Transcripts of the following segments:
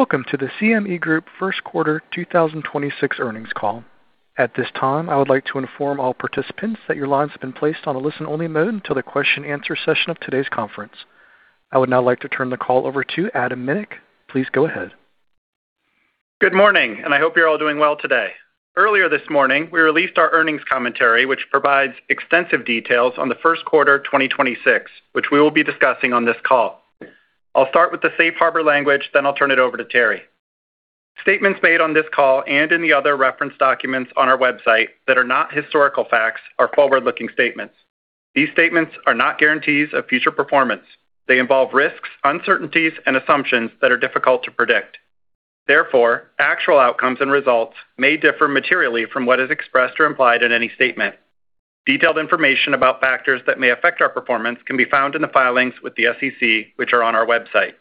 Welcome to the CME Group first quarter 2026 earnings call. At this time, I would like to inform all participants that your lines have been placed on a listen-only mode until the question-answer session of today's conference. I would now like to turn the call over to Adam Minick. Please go ahead. Good morning, and I hope you're all doing well today. Earlier this morning, we released our earnings commentary, which provides extensive details on the first quarter of 2026, which we will be discussing on this call. I'll start with the safe harbor language, then I'll turn it over to Terry. Statements made on this call and in the other reference documents on our website that are not historical facts are forward-looking statements. These statements are not guarantees of future performance. They involve risks, uncertainties, and assumptions that are difficult to predict. Therefore, actual outcomes and results may differ materially from what is expressed or implied in any statement. Detailed information about factors that may affect our performance can be found in the filings with the SEC, which are on our website.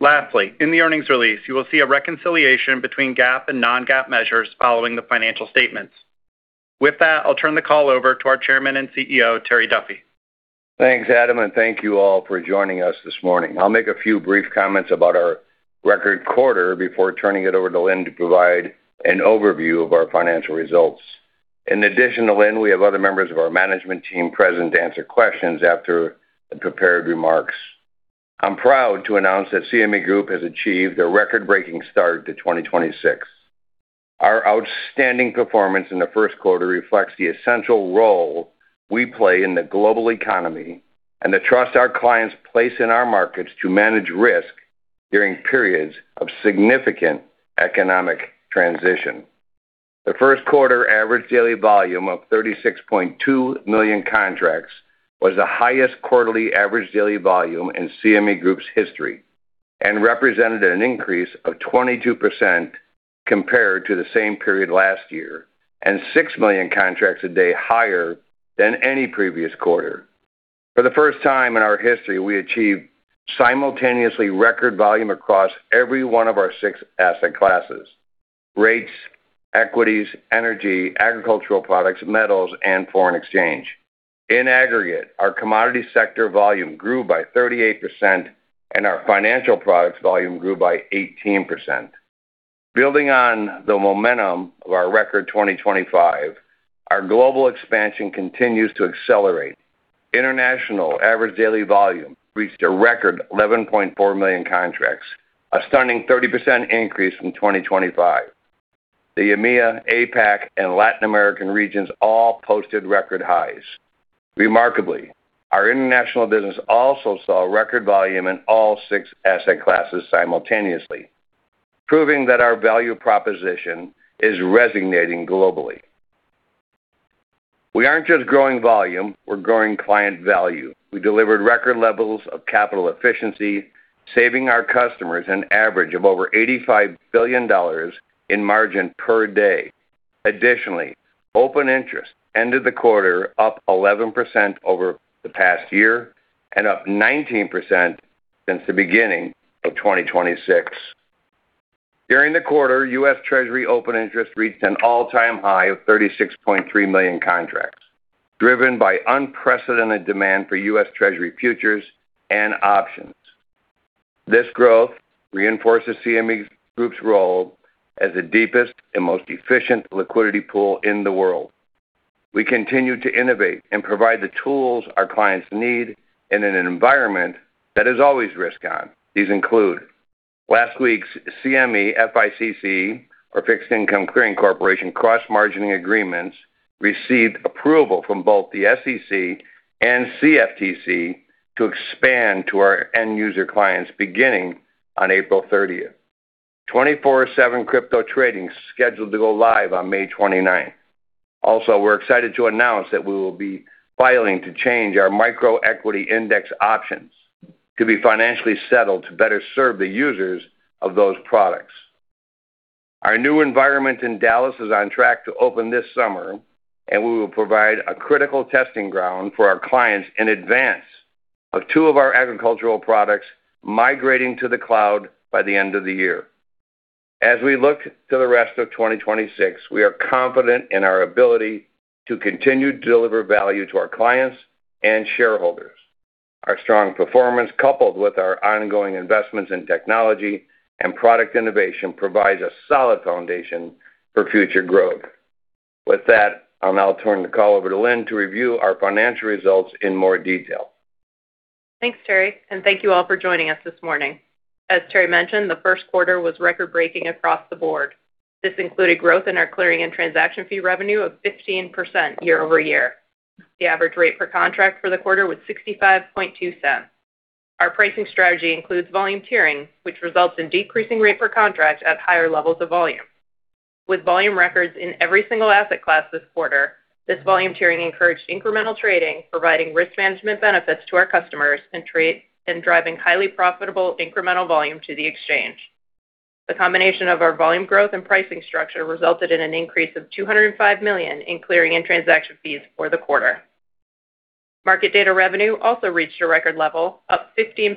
Lastly, in the earnings release, you will see a reconciliation between GAAP and non-GAAP measures following the financial statements. With that, I'll turn the call over to our Chairman and CEO, Terry Duffy. Thanks, Adam, and thank you all for joining us this morning. I'll make a few brief comments about our record quarter before turning it over to Lynne to provide an overview of our financial results. In addition to Lynne, we have other members of our management team present to answer questions after the prepared remarks. I'm proud to announce that CME Group has achieved a record-breaking start to 2026. Our outstanding performance in the first quarter reflects the essential role we play in the global economy and the trust our clients place in our markets to manage risk during periods of significant economic transition. The first quarter average daily volume of 36.2 million contracts was the highest quarterly average daily volume in CME Group's history and represented an increase of 22% compared to the same period last year and 6 million contracts a day higher than any previous quarter. For the first time in our history, we achieved simultaneously record volume across every one of our six asset classes, rates, equities, energy, agricultural products, metals, and foreign exchange. In aggregate, our commodity sector volume grew by 38%, and our financial products volume grew by 18%. Building on the momentum of our record 2025, our global expansion continues to accelerate. International average daily volume reached a record 11.4 million contracts, a stunning 30% increase from 2025. The EMEA, APAC, and Latin American regions all posted record highs. Remarkably, our international business also saw record volume in all six asset classes simultaneously, proving that our value proposition is resonating globally. We aren't just growing volume. We're growing client value. We delivered record levels of capital efficiency, saving our customers an average of over $85 billion in margin per day. Additionally, open interest ended the quarter up 11% over the past year and up 19% since the beginning of 2026. During the quarter, U.S. Treasury open interest reached an all-time high of 36.3 million contracts, driven by unprecedented demand for U.S. Treasury futures and options. This growth reinforces CME Group's role as the deepest and most efficient liquidity pool in the world. We continue to innovate and provide the tools our clients need in an environment that is always risk on. These include last week's CME FICC or Fixed Income Clearing Corporation cross-margining agreements received approval from both the SEC and CFTC to expand to our end user clients beginning on April 30th. 24/7 crypto trading is scheduled to go live on May 29. Also, we're excited to announce that we will be filing to change our Micro Equity Index options to be financially settled to better serve the users of those products. Our new environment in Dallas is on track to open this summer, and we will provide a critical testing ground for our clients in advance of two of our agricultural products migrating to the cloud by the end of the year. As we look to the rest of 2026, we are confident in our ability to continue to deliver value to our clients and shareholders. Our strong performance, coupled with our ongoing investments in technology and product innovation, provides a solid foundation for future growth. With that, I'll now turn the call over to Lynne to review our financial results in more detail. Thanks, Terry, and thank you all for joining us this morning. As Terry mentioned, the first quarter was record-breaking across the board. This included growth in our clearing and transaction fee revenue of 15% year-over-year. The average rate per contract for the quarter was $0.652. Our pricing strategy includes volume tiering, which results in decreasing rate per contract at higher levels of volume. With volume records in every single asset class this quarter, this volume tiering encouraged incremental trading, providing risk management benefits to our customers and traders, and driving highly profitable incremental volume to the exchange. The combination of our volume growth and pricing structure resulted in an increase of $205 million in clearing and transaction fees for the quarter. Market data revenue also reached a record level, up 15%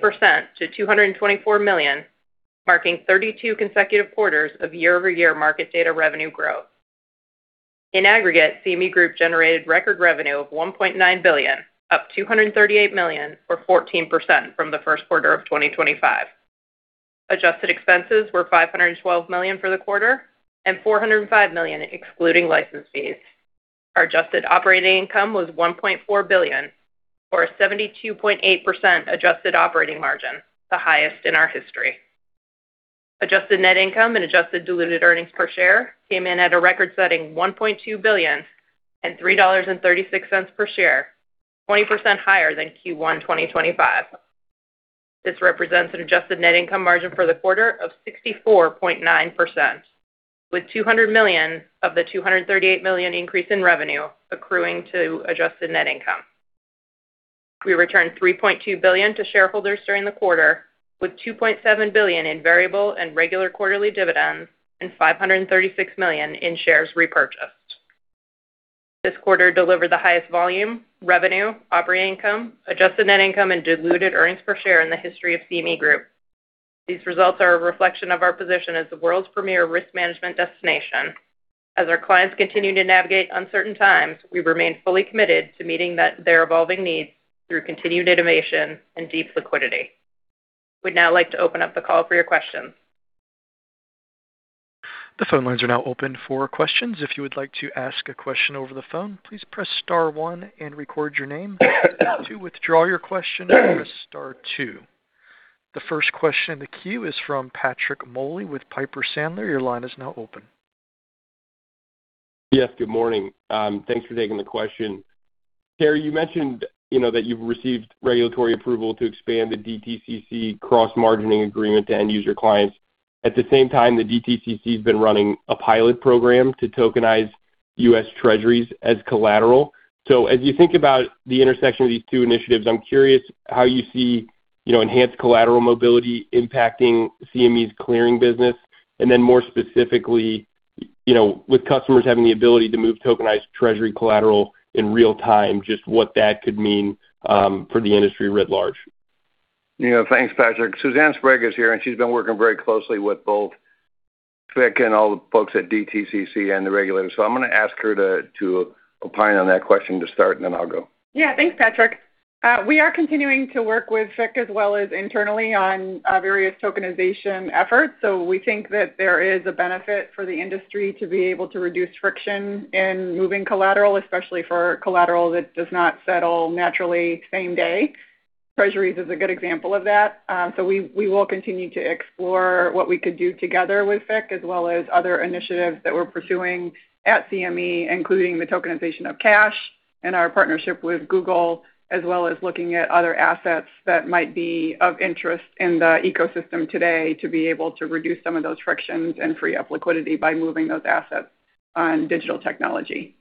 to $224 million, marking 32 consecutive quarters of year-over-year market data revenue growth. In aggregate, CME Group generated record revenue of $1.9 billion, up $238 million or 14% from the first quarter of 2025. Adjusted expenses were $512 million for the quarter and $405 million excluding license fees. Our adjusted operating income was $1.4 billion or a 72.8% adjusted operating margin, the highest in our history. Adjusted net income and adjusted diluted earnings per share came in at a record-setting $1.2 billion and $3.36 per share, 20% higher than Q1 2025. This represents an adjusted net income margin for the quarter of 64.9%, with $200 million of the $238 million increase in revenue accruing to adjusted net income. We returned $3.2 billion to shareholders during the quarter, with $2.7 billion in variable and regular quarterly dividends and $536 million in shares repurchased. This quarter delivered the highest volume, revenue, operating income, adjusted net income and diluted earnings per share in the history of CME Group. These results are a reflection of our position as the world's premier risk management destination. As our clients continue to navigate uncertain times, we remain fully committed to meeting their evolving needs through continued innovation and deep liquidity. We'd now like to open up the call for your questions. The phone lines are now open for questions. If you would like to ask a question over the phone, please press star one and record your name. To withdraw your question, press star two. The first question in the queue is from Patrick Moley with Piper Sandler. Your line is now open. Yes, good morning. Thanks for taking the question. Terry, you mentioned that you've received regulatory approval to expand the DTCC cross-margining agreement to end user clients. At the same time, the DTCC has been running a pilot program to tokenize U.S. Treasuries as collateral. As you think about the intersection of these two initiatives, I'm curious how you see enhanced collateral mobility impacting CME's clearing business, and then more specifically, with customers having the ability to move tokenized Treasury collateral in real time, just what that could mean for the industry writ large. Thanks, Patrick. Suzanne Sprague is here, and she's been working very closely with both FICC and all the folks at DTCC and the regulators. I'm going to ask her to opine on that question to start, and then I'll go. Yeah. Thanks, Patrick. We are continuing to work with FICC as well as internally on various tokenization efforts. We think that there is a benefit for the industry to be able to reduce friction in moving collateral, especially for collateral that does not settle naturally same day. Treasuries is a good example of that. We will continue to explore what we could do together with FICC, as well as other initiatives that we're pursuing at CME, including the tokenization of cash and our partnership with Google, as well as looking at other assets that might be of interest in the ecosystem today to be able to reduce some of those frictions and free up liquidity by moving those assets on digital technology.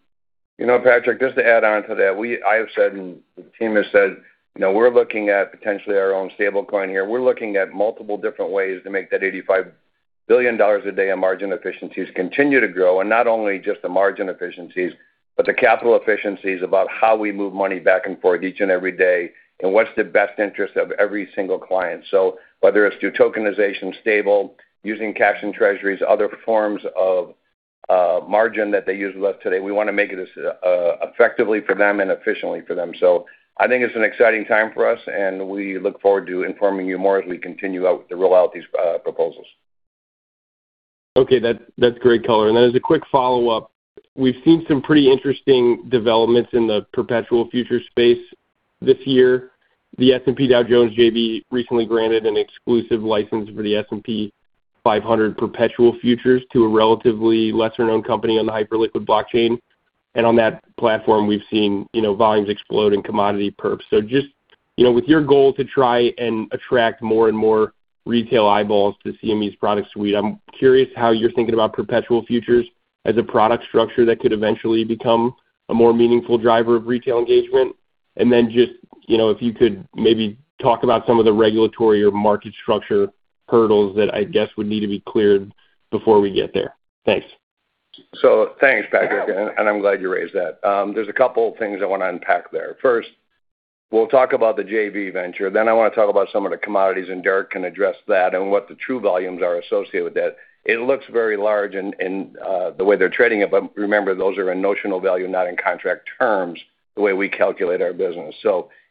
Patrick, just to add on to that, I have said, and the team has said, we're looking at potentially our own stablecoin here. We're looking at multiple different ways to make that $85 billion a day on margin efficiencies continue to grow, and not only just the margin efficiencies, but the capital efficiencies about how we move money back and forth each and every day and what's the best interest of every single client. Whether it's through tokenization, stable, using cash and treasuries, other forms of margin that they use with us today, we want to make it effectively for them and efficiently for them. I think it's an exciting time for us, and we look forward to informing you more as we continue to roll out these proposals. Okay. That's great color. As a quick follow-up, we've seen some pretty interesting developments in the perpetual futures space this year. The S&P Dow Jones JV recently granted an exclusive license for the S&P 500 perpetual futures to a relatively lesser-known company on the Hyperliquid blockchain. On that platform, we've seen volumes explode in commodity perps. Just with your goal to try and attract more and more retail eyeballs to CME's product suite, I'm curious how you're thinking about perpetual futures as a product structure that could eventually become a more meaningful driver of retail engagement. Just if you could maybe talk about some of the regulatory or market structure hurdles that I guess would need to be cleared before we get there. Thanks. Thanks, Patrick, and I'm glad you raised that. There's a couple things I want to unpack there. First, we'll talk about the JV venture, then I want to talk about some of the commodities, and Derek can address that and what the true volumes are associated with that. It looks very large in the way they're trading it, but remember, those are in notional value, not in contract terms, the way we calculate our business.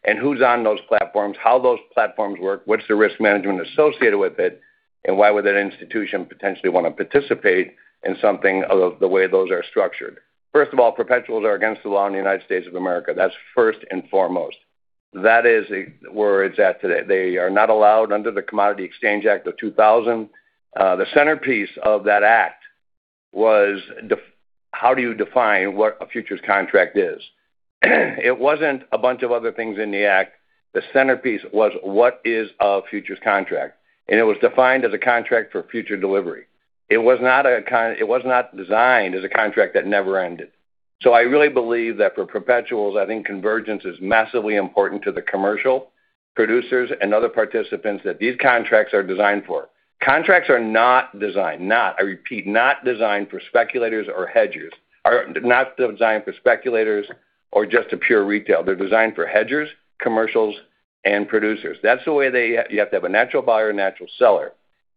And who's on those platforms, how those platforms work, what's the risk management associated with it, and why would an institution potentially want to participate in something of the way those are structured? First of all, perpetuals are against the law in the United States of America. That's first and foremost. That is where it's at today. They are not allowed under the Commodity Exchange Act of 2000. The centerpiece of that act was how do you define what a futures contract is? It wasn't a bunch of other things in the act. The centerpiece was what is a futures contract? It was defined as a contract for future delivery. It was not designed as a contract that never ended. I really believe that for perpetuals, I think convergence is massively important to the commercial producers and other participants that these contracts are designed for. Contracts are not designed, not, I repeat, not designed for speculators or hedgers. Are not designed for speculators or just a pure retail. They're designed for hedgers, commercials, and producers. That's the way they. You have to have a natural buyer, a natural seller.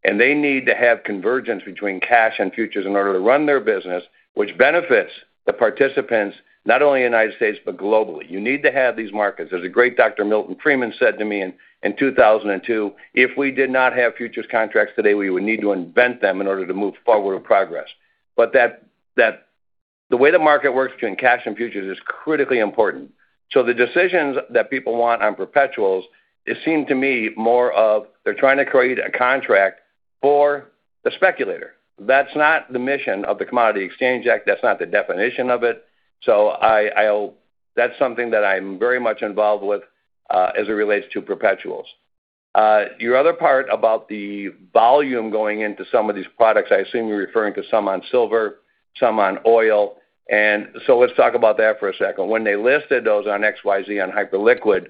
They need to have convergence between cash and futures in order to run their business, which benefits the participants, not only in the United States, but globally. You need to have these markets. As the great Dr. Milton Friedman said to me in 2002, "If we did not have futures contracts today, we would need to invent them in order to move forward with progress." The way the market works between cash and futures is critically important. The decisions that people want on perpetuals, it seemed to me more of they're trying to create a contract for the speculator. That's not the mission of the Commodity Exchange Act. That's not the definition of it. That's something that I'm very much involved with as it relates to perpetuals. Your other part about the volume going into some of these products, I assume you're referring to some on silver, some on oil, and so let's talk about that for a second. When they listed those on XYZ on Hyperliquid,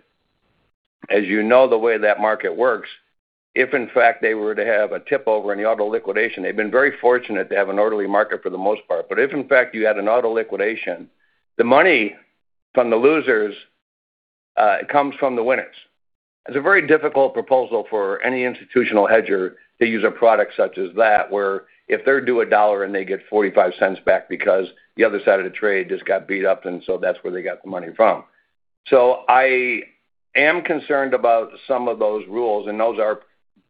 as you know, the way that market works, if in fact they were to have a tip over in the auto liquidation, they've been very fortunate to have an orderly market for the most part. If in fact you had an auto liquidation, the money from the losers comes from the winners. It's a very difficult proposition for any institutional hedger to use a product such as that, where if they're due $1 and they get $0.45 back because the other side of the trade just got beat up, and so that's where they got the money from. I am concerned about some of those rules, and those are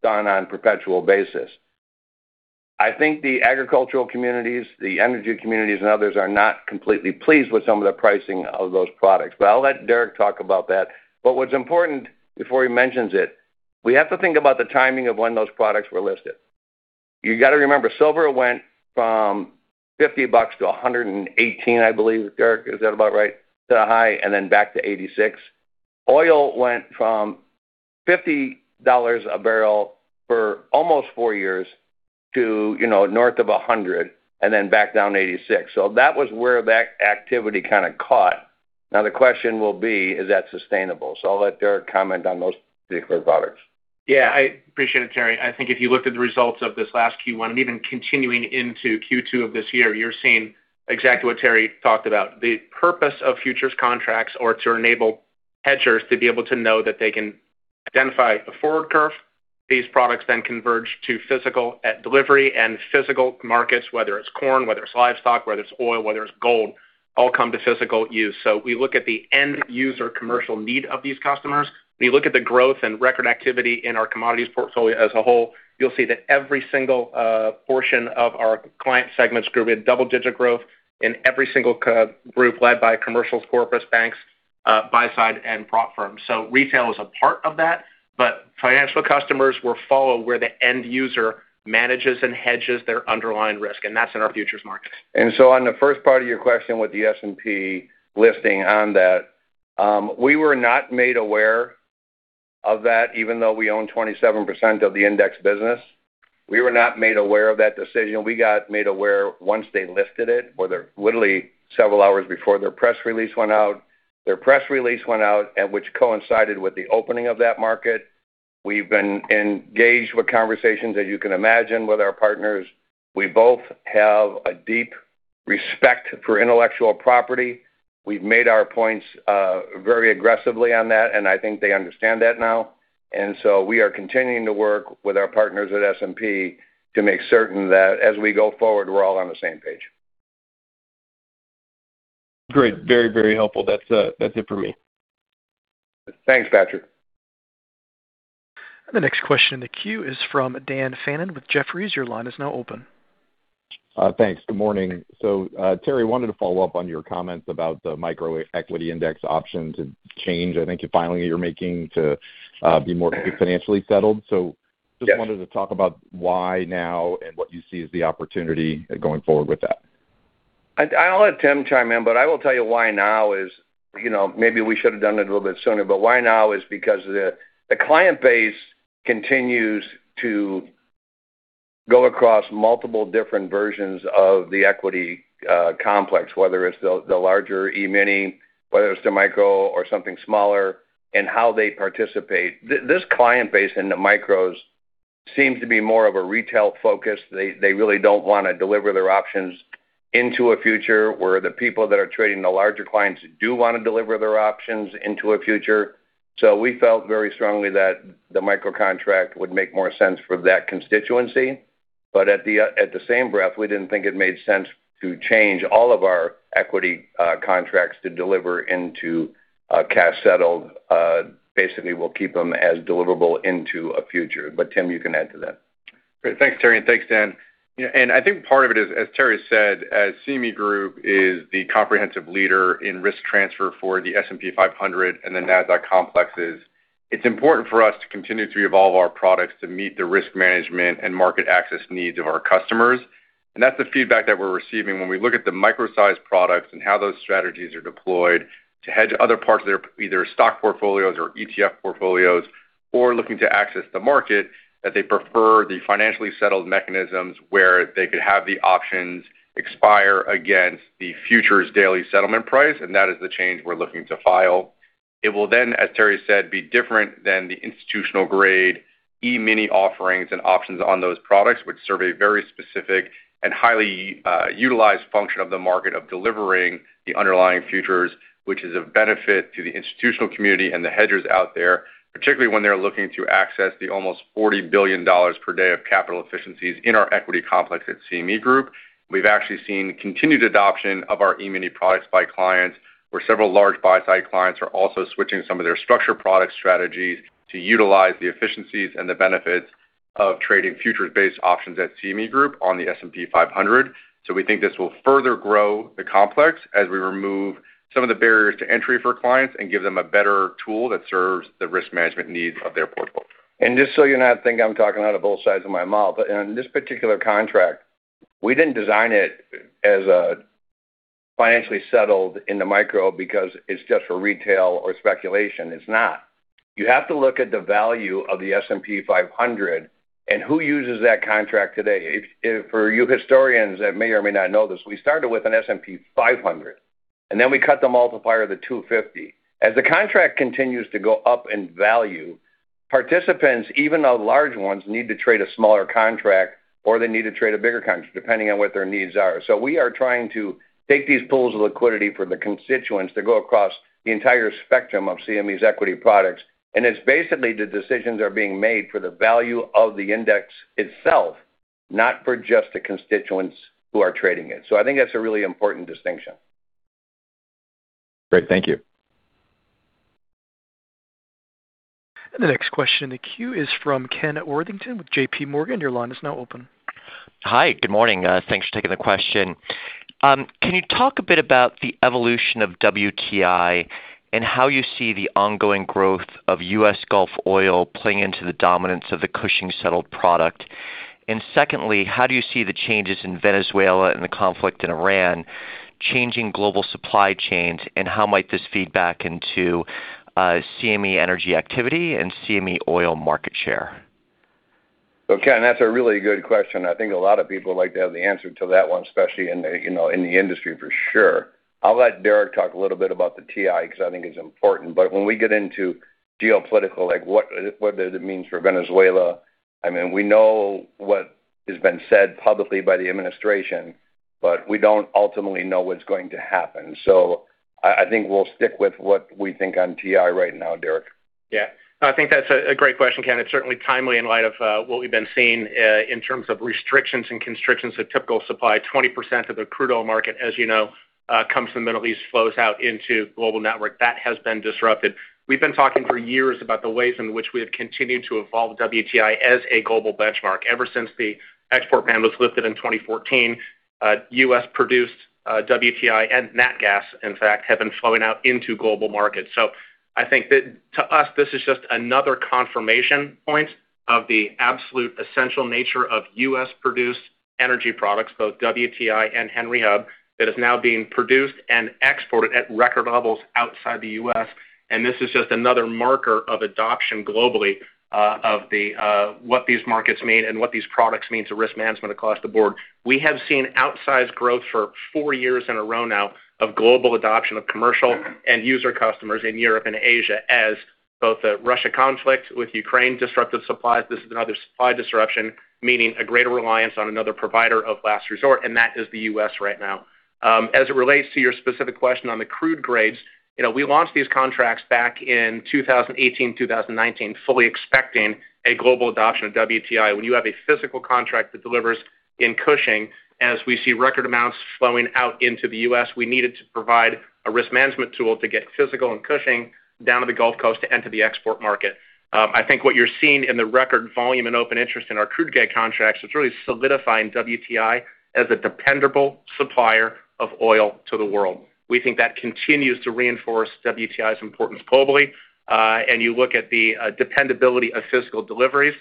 done on perpetual basis. I think the agricultural communities, the energy communities, and others are not completely pleased with some of the pricing of those products. I'll let Derek talk about that. What's important, before he mentions it, we have to think about the timing of when those products were listed. You got to remember, silver went from $50 to $118, I believe, Derek, is that about right? To the high and then back to $86. Oil went from $50 a barrel for almost four years to north of $100 and then back down to $86. That was where that activity kind of caught. Now, the question will be, is that sustainable? I'll let Derek comment on those particular products. Yeah, I appreciate it, Terry. I think if you looked at the results of this last Q1 and even continuing into Q2 of this year, you're seeing exactly what Terry talked about. The purpose of futures contracts are to enable hedgers to be able to know that they can identify the forward curve. These products then converge to physical at delivery and physical markets, whether it's corn, whether it's livestock, whether it's oil, whether it's gold, all come to physical use. We look at the end user commercial need of these customers. When you look at the growth and record activity in our commodities portfolio as a whole, you'll see that every single portion of our client segments grew at double-digit growth in every single group led by commercials, corporates, banks, buy side, and prop firms. Retail is a part of that, but financial customers were followed where the end user manages and hedges their underlying risk, and that's in our futures markets. On the first part of your question with the S&P listing on that, we were not made aware of that, even though we own 27% of the index business. We were not made aware of that decision. We got made aware once they listed it, literally several hours before their press release went out. Their press release went out and which coincided with the opening of that market. We've been engaged with conversations, as you can imagine, with our partners. We both have a deep respect for intellectual property. We've made our points very aggressively on that, and I think they understand that now. We are continuing to work with our partners at S&P to make certain that as we go forward, we're all on the same page. Great. Very helpful. That's it for me. Thanks, Patrick. The next question in the queue is from Dan Fannon with Jefferies. Your line is now open. Thanks. Good morning. Terry, I wanted to follow up on your comments about the Micro Equity Index options change. I think it's a filing that you're making to be more financially settled. Just wanted to talk about why now and what you see as the opportunity going forward with that? I'll let Tim chime in, but I will tell you why now is maybe we should have done it a little bit sooner, but why now is because the client base continues to go across multiple different versions of the equity complex, whether it's the larger E-mini, whether it's the Micro or something smaller, and how they participate. This client base in the Micros seems to be more of a retail focus. They really don't want to deliver their options into a future where the people that are trading the larger clients do want to deliver their options into a future. We felt very strongly that the Micro contract would make more sense for that constituency. At the same breath, we didn't think it made sense to change all of our equity contracts to deliver into a cash settled. Basically, we'll keep them as deliverable into a future. Tim, you can add to that. Great. Thanks, Terry, and thanks, Dan. I think part of it is, as Terry said, as CME Group is the comprehensive leader in risk transfer for the S&P 500 and the Nasdaq complexes, it's important for us to continue to evolve our products to meet the risk management and market access needs of our customers. That's the feedback that we're receiving when we look at the Micro-sized products and how those strategies are deployed to hedge other parts of their either stock portfolios or ETF portfolios, or looking to access the market, that they prefer the financially settled mechanisms where they could have the options expire against the futures' daily settlement price, and that is the change we're looking to file. It will then, as Terry said, be different than the institutional grade E-mini offerings and options on those products, which serve a very specific and highly utilized function of the market of delivering the underlying futures, which is of benefit to the institutional community and the hedgers out there, particularly when they're looking to access the almost $40 billion per day of capital efficiencies in our equity complex at CME Group. We've actually seen continued adoption of our E-mini products by clients, where several large buy-side clients are also switching some of their structured product strategies to utilize the efficiencies and the benefits of trading futures-based options at CME Group on the S&P 500. We think this will further grow the complex as we remove some of the barriers to entry for clients and give them a better tool that serves the risk management needs of their portfolio. Just so you're not thinking I'm talking out of both sides of my mouth, but in this particular contract, we didn't design it as financially settled in the Micro because it's just for retail or speculation. It's not. You have to look at the value of the S&P 500 and who uses that contract today. For you historians that may or may not know this, we started with an S&P 500, and then we cut the multiplier to 250. As the contract continues to go up in value, participants, even the large ones, need to trade a smaller contract, or they need to trade a bigger contract, depending on what their needs are. We are trying to take these pools of liquidity for the constituents to go across the entire spectrum of CME's equity products. It's basically the decisions are being made for the value of the index itself, not for just the constituents who are trading it. I think that's a really important distinction. Great. Thank you. The next question in the queue is from Ken Worthington with JPMorgan. Your line is now open. Hi, good morning. Thanks for taking the question. Can you talk a bit about the evolution of WTI and how you see the ongoing growth of U.S. Gulf oil playing into the dominance of the Cushing settled product? Secondly, how do you see the changes in Venezuela and the conflict in Iran changing global supply chains, and how might this feed back into CME energy activity and CME oil market share? Ken, that's a really good question. I think a lot of people would like to have the answer to that one, especially in the industry for sure. I'll let Derek talk a little bit about the TI because I think it's important. When we get into geopolitical, like what does it mean for Venezuela, I mean, we know what has been said publicly by the administration, but we don't ultimately know what's going to happen. I think we'll stick with what we think on TI right now, Derek. Yeah. I think that's a great question, Ken. It's certainly timely in light of what we've been seeing in terms of restrictions and constrictions of typical supply. 20% of the crude oil market, as you know, comes from the Middle East, flows out into global network. That has been disrupted. We've been talking for years about the ways in which we have continued to evolve WTI as a global benchmark. Ever since the export ban was lifted in 2014, U.S.-produced WTI and nat gas, in fact, have been flowing out into global markets. I think that to us, this is just another confirmation point of the absolute essential nature of U.S.-produced energy products, both WTI and Henry Hub, that is now being produced and exported at record levels outside the U.S. This is just another marker of adoption globally of what these markets mean and what these products mean to risk management across the board. We have seen outsized growth for four years in a row now of global adoption of commercial and user customers in Europe and Asia as both the Russia conflict with Ukraine disrupted supplies. This is another supply disruption, meaning a greater reliance on another provider of last resort, and that is the U.S. right now. As it relates to your specific question on the crude grades, we launched these contracts back in 2018, 2019, fully expecting a global adoption of WTI. When you have a physical contract that delivers in Cushing, as we see record amounts flowing out into the U.S., we needed to provide a risk management tool to get physical and Cushing down to the Gulf Coast and to the export market. I think what you're seeing in the record volume and open interest in our crude grade contracts is really solidifying WTI as a dependable supplier of oil to the world. We think that continues to reinforce WTI's importance globally. You look at the dependability of physical deliveries,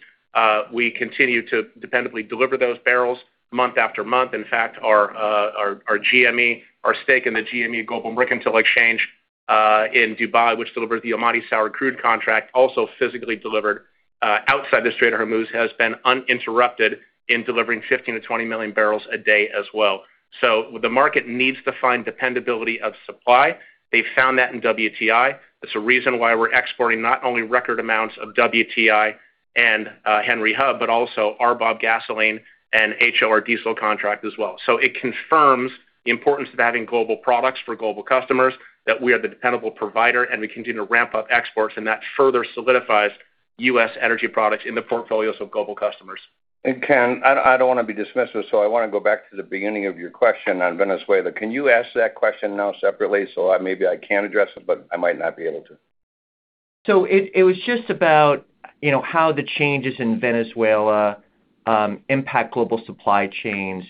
we continue to dependably deliver those barrels month after month. In fact, our GME, our stake in the GME, Gulf Mercantile Exchange, in Dubai, which delivers the Oman sour crude contract, also physically delivered outside the Strait of Hormuz, has been uninterrupted in delivering 15 MMbpd-20 MMbpd as well. The market needs to find dependability of supply. They found that in WTI. That's the reason why we're exporting not only record amounts of WTI and Henry Hub, but also RBOB Gasoline and HO diesel contract as well. It confirms the importance of having global products for global customers, that we are the dependable provider and we continue to ramp up exports, and that further solidifies U.S. energy products in the portfolios of global customers. Ken, I don't want to be dismissive, so I want to go back to the beginning of your question on Venezuela. Can you ask that question now separately so maybe I can address it, but I might not be able to. It was just about how the changes in Venezuela impact global supply chains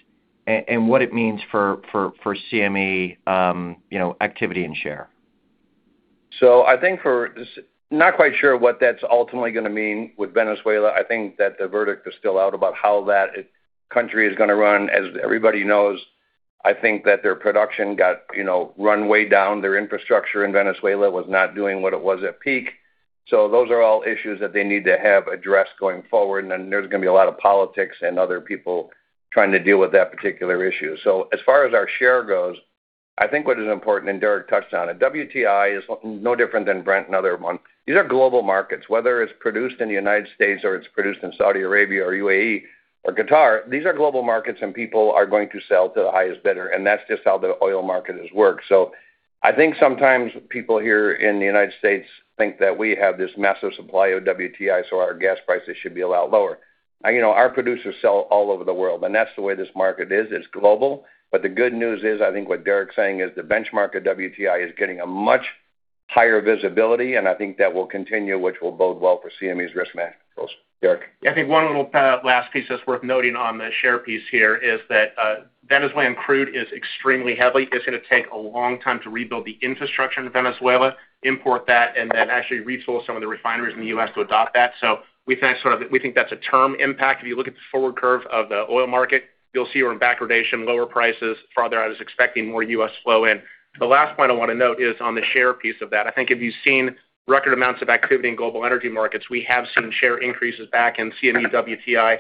and what it means for CME activity and share. Not quite sure what that's ultimately going to mean with Venezuela. I think that the verdict is still out about how that country is going to run. As everybody knows, I think that their production got run way down. Their infrastructure in Venezuela was not doing what it was at peak. Those are all issues that they need to have addressed going forward, and then there's going to be a lot of politics and other people trying to deal with that particular issue. As far as our share goes, I think what is important, and Derek touched on it, WTI is no different than Brent and other ones. These are global markets. Whether it's produced in the United States or it's produced in Saudi Arabia or UAE or Qatar, these are global markets and people are going to sell to the highest bidder, and that's just how the oil market has worked. I think sometimes people here in the United States think that we have this massive supply of WTI, so our gas prices should be a lot lower. Our producers sell all over the world, and that's the way this market is. It's global. The good news is, I think what Derek's saying is the benchmark of WTI is getting a much higher visibility, and I think that will continue, which will bode well for CME's risk management goals. Derek? I think one little last piece that's worth noting on the share piece here is that Venezuelan crude is extremely heavy. It's going to take a long time to rebuild the infrastructure in Venezuela, import that, and then actually resource some of the refineries in the U.S. to adopt that. We think that's a long-term impact. If you look at the forward curve of the oil market, you'll see we're in backwardation, lower prices farther out expecting more U.S. flow in. The last point I want to note is on the share piece of that. I think if you've seen record amounts of activity in global energy markets, we have seen share increases back in CME WTI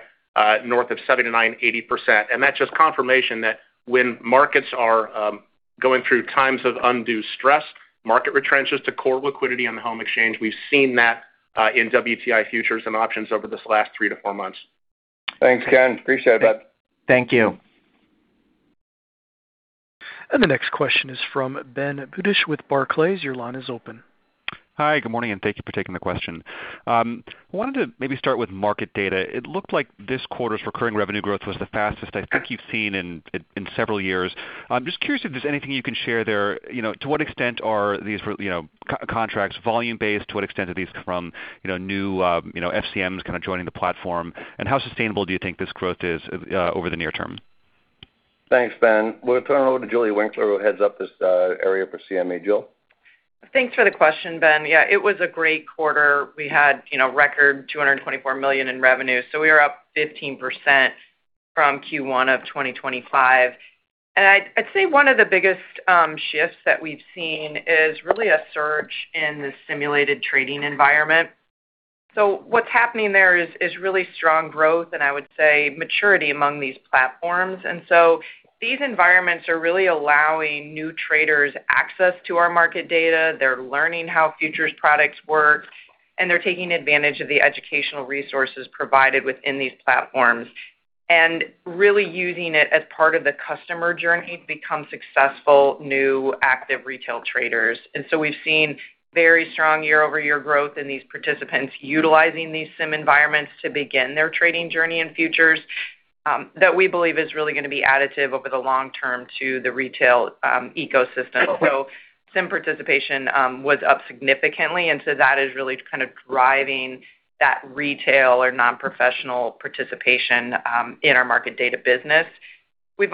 north of 79%, 80%. That's just confirmation that when markets are going through times of undue stress, market retrenches to core liquidity on the home exchange. We've seen that in WTI futures and options over this last three to four months. Thanks, Ken. Appreciate it, bud. Thank you. The next question is from Ben Budish with Barclays. Your line is open. Hi, good morning, and thank you for taking the question. I wanted to maybe start with market data. It looked like this quarter's recurring revenue growth was the fastest I think you've seen in several years. I'm just curious if there's anything you can share there. To what extent are these contracts volume-based? To what extent are these from new FCMs kind of joining the platform? And how sustainable do you think this growth is over the near term? Thanks, Ben. We'll turn it over to Julie Winkler, who heads up this area for CME. Julie? Thanks for the question, Ben. Yeah, it was a great quarter. We had record $224 million in revenue. We are up 15% from Q1 of 2025. I'd say one of the biggest shifts that we've seen is really a surge in the simulated trading environment. What's happening there is really strong growth, and I would say maturity among these platforms. These environments are really allowing new traders access to our market data. They're learning how futures products work, and they're taking advantage of the educational resources provided within these platforms and really using it as part of the customer journey to become successful, new, active retail traders. We've seen very strong year-over-year growth in these participants utilizing these sim environments to begin their trading journey in futures that we believe is really going to be additive over the long term to the retail ecosystem. Sim participation was up significantly, and that is really kind of driving that retail or non-professional participation in our market data business. We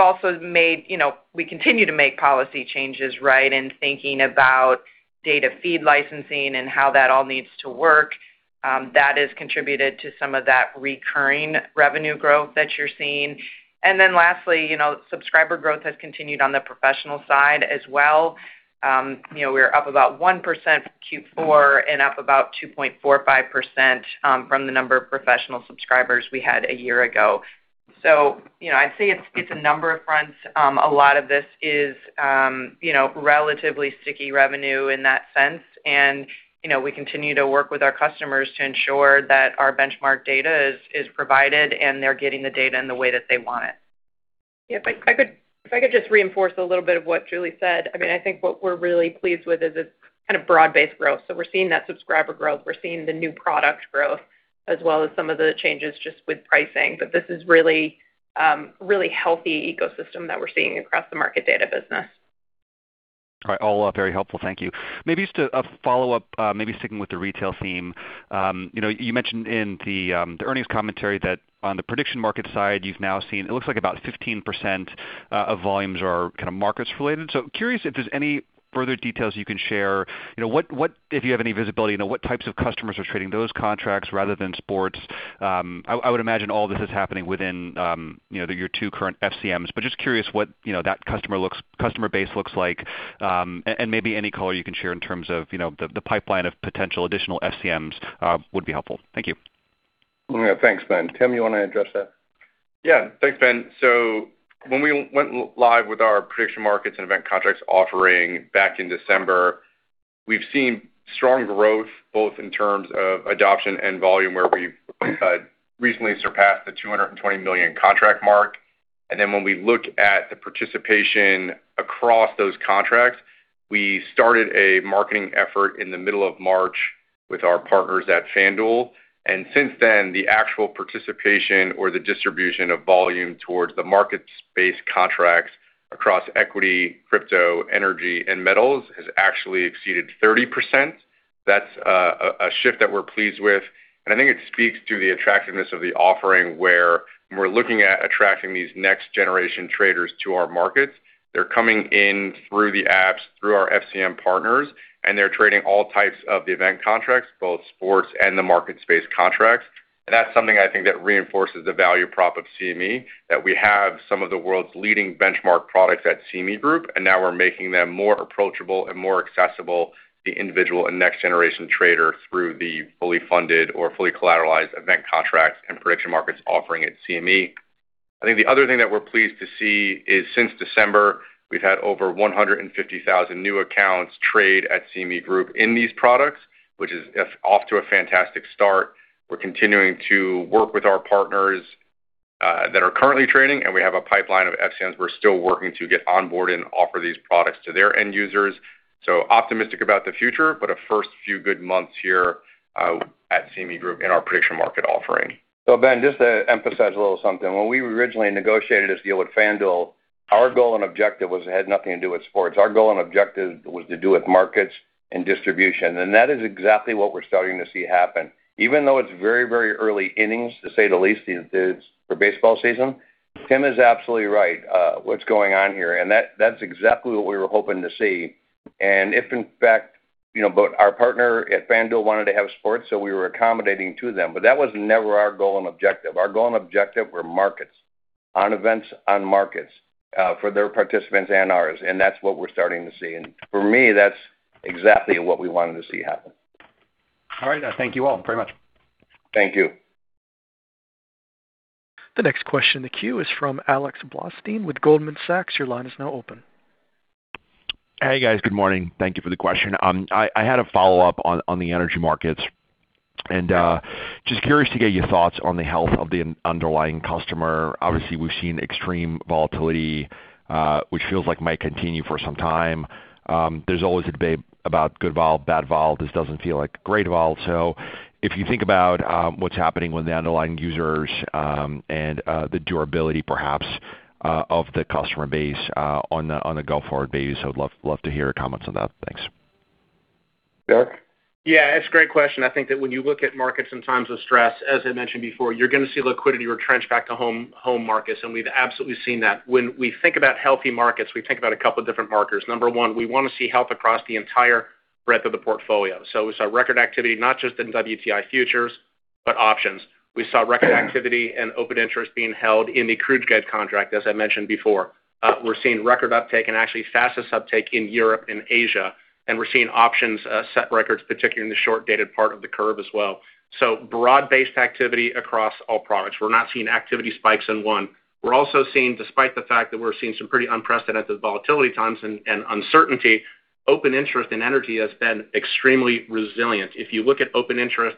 continue to make policy changes, right, in thinking about data feed licensing and how that all needs to work. That has contributed to some of that recurring revenue growth that you're seeing. Lastly, subscriber growth has continued on the professional side as well. We're up about 1% from Q4 and up about 2.45% from the number of professional subscribers we had a year ago. I'd say it's a number of fronts. A lot of this is relatively sticky revenue in that sense. We continue to work with our customers to ensure that our benchmark data is provided and they're getting the data in the way that they want it. If I could just reinforce a little bit of what Julie said. I think what we're really pleased with is this kind of broad-based growth. We're seeing that subscriber growth. We're seeing the new product growth as well as some of the changes just with pricing. This is really healthy ecosystem that we're seeing across the market data business. All right. All very helpful. Thank you. Maybe just a follow-up, maybe sticking with the retail theme. You mentioned in the earnings commentary that on the prediction market side, you've now seen, it looks like about 15% of volumes are kind of markets related. Curious if there's any further details you can share. If you have any visibility, what types of customers are trading those contracts rather than sports? I would imagine all this is happening within your two current FCMs. Just curious what that customer base looks like. Maybe any color you can share in terms of the pipeline of potential additional FCMs would be helpful. Thank you. Thanks, Ben. Tim, you want to address that? Yeah. Thanks, Ben. When we went live with our Prediction Markets and event contracts offering back in December, we've seen strong growth both in terms of adoption and volume, where we've recently surpassed the 220 million contract mark. When we look at the participation across those contracts, we started a marketing effort in the middle of March with our partners at FanDuel. Since then, the actual participation or the distribution of volume towards the markets-based contracts across equity, crypto, energy, and metals has actually exceeded 30%. That's a shift that we're pleased with. I think it speaks to the attractiveness of the offering where we're looking at attracting these next-generation traders to our markets. They're coming in through the apps, through our FCM partners, and they're trading all types of the event contracts, both sports and the markets-based contracts. That's something I think that reinforces the value prop of CME, that we have some of the world's leading benchmark products at CME Group, and now we're making them more approachable and more accessible to the individual and next-generation trader through the fully funded or fully collateralized event contract and Prediction Markets offering at CME. I think the other thing that we're pleased to see is since December, we've had over 150,000 new accounts trade at CME Group in these products, which is off to a fantastic start. We're continuing to work with our partners that are currently trading, and we have a pipeline of FCMs we're still working to get on board and offer these products to their end users. Optimistic about the future, but a first few good months here at CME Group in our prediction market offering. Ben, just to emphasize a little something. When we originally negotiated this deal with FanDuel, our goal and objective had nothing to do with sports. Our goal and objective was to do with markets and distribution. That is exactly what we're starting to see happen. Even though it's very early innings, to say the least, for baseball season, Tim is absolutely right, what's going on here, and that's exactly what we were hoping to see. If in fact, both our partner at FanDuel wanted to have sports, so we were accommodating to them. That was never our goal and objective. Our goal and objective were markets, on events, on markets, for their participants and ours, and that's what we're starting to see. For me, that's exactly what we wanted to see happen. All right. Thank you all very much. Thank you. The next question in the queue is from Alex Blostein with Goldman Sachs. Your line is now open. Hey, guys. Good morning. Thank you for the question. I had a follow-up on the energy markets. Just curious to get your thoughts on the health of the underlying customer. Obviously, we've seen extreme volatility, which feels like it might continue for some time. There's always a debate about good vol, bad vol. This doesn't feel like great vol. If you think about what's happening with the underlying users, and the durability perhaps, of the customer base on a go-forward basis, I would love to hear your comments on that. Thanks. Derek? Yeah, it's a great question. I think that when you look at markets in times of stress, as I mentioned before, you're going to see liquidity retrench back to home markets, and we've absolutely seen that. When we think about healthy markets, we think about a couple of different markers. Number one, we want to see health across the entire breadth of the portfolio. So we saw record activity, not just in WTI futures, but options. We saw record activity and open interest being held in the crude grade contract, as I mentioned before. We're seeing record uptake and actually fastest uptake in Europe and Asia, and we're seeing options set records, particularly in the short-dated part of the curve as well. So broad-based activity across all products. We're not seeing activity spikes in one. We're also seeing, despite the fact that we're seeing some pretty unprecedented volatility times and uncertainty, open interest in energy has been extremely resilient. If you look at open interest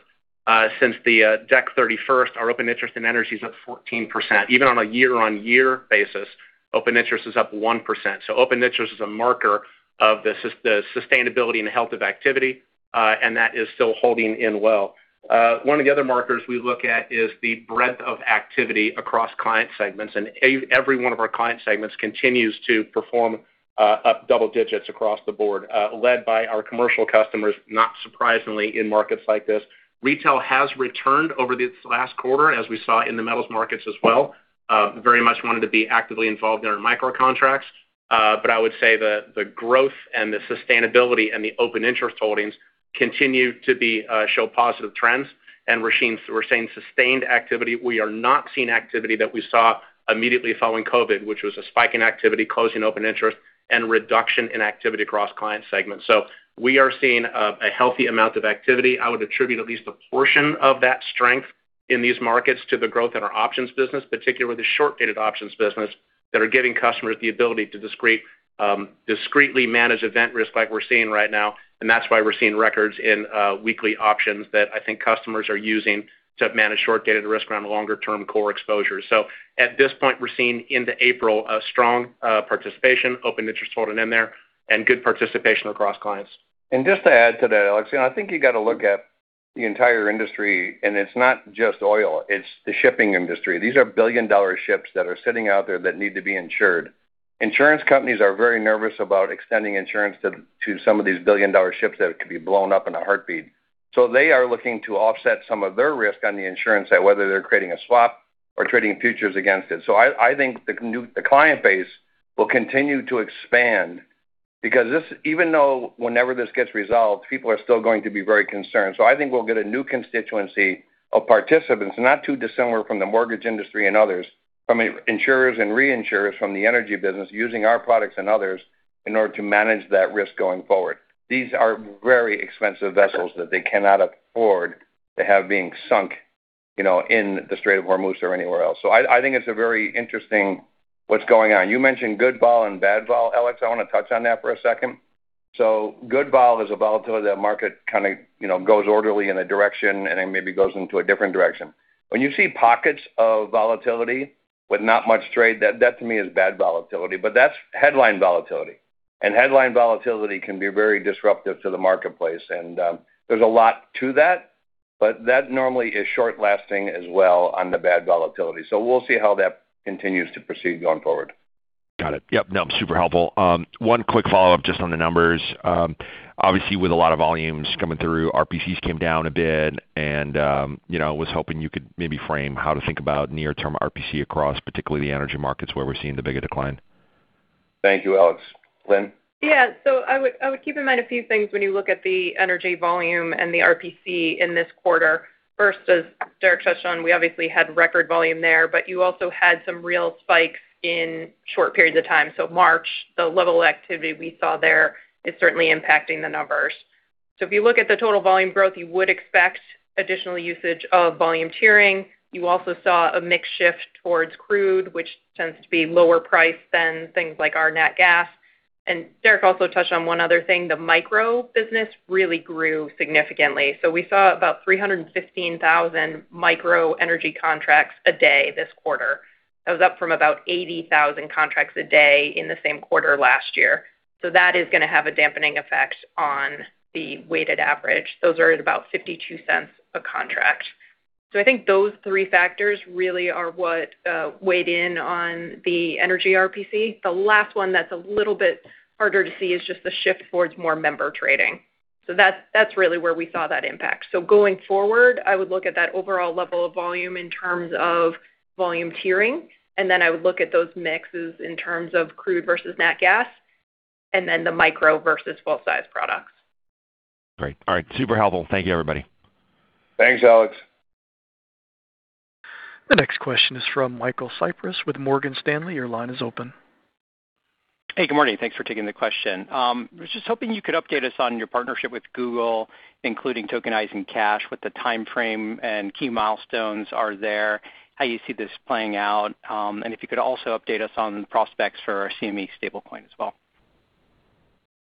since Dec. 31st, our open interest in energy is up 14%. Even on a year-on-year basis, open interest is up 1%. Open interest is a marker of the sustainability and the health of activity, and that is still holding up well. One of the other markers we look at is the breadth of activity across client segments, and every one of our client segments continues to perform up double digits across the board, led by our commercial customers, not surprisingly, in markets like this. Retail has returned over this last quarter, as we saw in the metals markets as well. Very much wanted to be actively involved in our Micro contracts. I would say the growth and the sustainability and the open interest holdings continue to show positive trends. We're seeing sustained activity. We are not seeing activity that we saw immediately following COVID, which was a spike in activity, closing open interest, and reduction in activity across client segments. We are seeing a healthy amount of activity. I would attribute at least a portion of that strength in these markets to the growth in our options business, particularly the short-dated options business, that are giving customers the ability to discreetly manage event risk like we're seeing right now. That's why we're seeing records in weekly options that I think customers are using to manage short-dated risk around longer-term core exposure. At this point, we're seeing into April a strong participation, open interest holding in there, and good participation across clients. Just to add to that, Alex, I think you got to look at the entire industry, and it's not just oil, it's the shipping industry. These are billion-dollar ships that are sitting out there that need to be insured. Insurance companies are very nervous about extending insurance to some of these billion-dollar ships that could be blown up in a heartbeat. They are looking to offset some of their risk on the insurance side, whether they're creating a swap or trading futures against it. I think the client base will continue to expand because even though whenever this gets resolved, people are still going to be very concerned. I think we'll get a new constituency of participants, not too dissimilar from the mortgage industry and others, from insurers and reinsurers from the energy business using our products and others in order to manage that risk going forward. These are very expensive vessels that they cannot afford to have being sunk in the Strait of Hormuz or anywhere else. I think it's very interesting what's going on. You mentioned good vol and bad vol, Alex. I want to touch on that for a second. Good vol is a volatility that the market kind of goes orderly in a direction and then maybe goes into a different direction. When you see pockets of volatility with not much trade, that to me is bad volatility, but that's headline volatility. Headline volatility can be very disruptive to the marketplace, and there's a lot to that, but that normally is short-lasting as well on the bad volatility. We'll see how that continues to proceed going forward. Got it. Yep. No, super helpful. One quick follow-up just on the numbers. Obviously, with a lot of volumes coming through, RPCs came down a bit and I was hoping you could maybe frame how to think about near-term RPC across particularly the energy markets where we're seeing the bigger decline. Thank you, Alex. Lynne? Yeah. I would keep in mind a few things when you look at the energy volume and the RPC in this quarter. First, as Derek touched on, we obviously had record volume there, but you also had some real spikes in short periods of time. March, the level of activity we saw there is certainly impacting the numbers. If you look at the total volume growth, you would expect additional usage of volume tiering. You also saw a mix shift towards crude, which tends to be lower price than things like our nat gas. Derek also touched on one other thing, the Micro business really grew significantly. We saw about 315,000 Micro energy contracts a day this quarter. That was up from about 80,000 contracts a day in the same quarter last year. That is going to have a dampening effect on the weighted average. Those are at about $0.52 a contract. I think those three factors really are what weighed in on the energy RPC. The last one that's a little bit harder to see is just the shift towards more member trading. That's really where we saw that impact. Going forward, I would look at that overall level of volume in terms of volume tiering, and then I would look at those mixes in terms of crude versus nat gas, and then the Micro versus full-size products. Great. All right. Super helpful. Thank you, everybody. Thanks, Alex. The next question is from Michael Cyprys with Morgan Stanley. Your line is open. Hey, good morning. Thanks for taking the question. I was just hoping you could update us on your partnership with Google, including tokenizing cash, what the time frame and key milestones are there, how you see this playing out, and if you could also update us on prospects for CME stablecoin as well.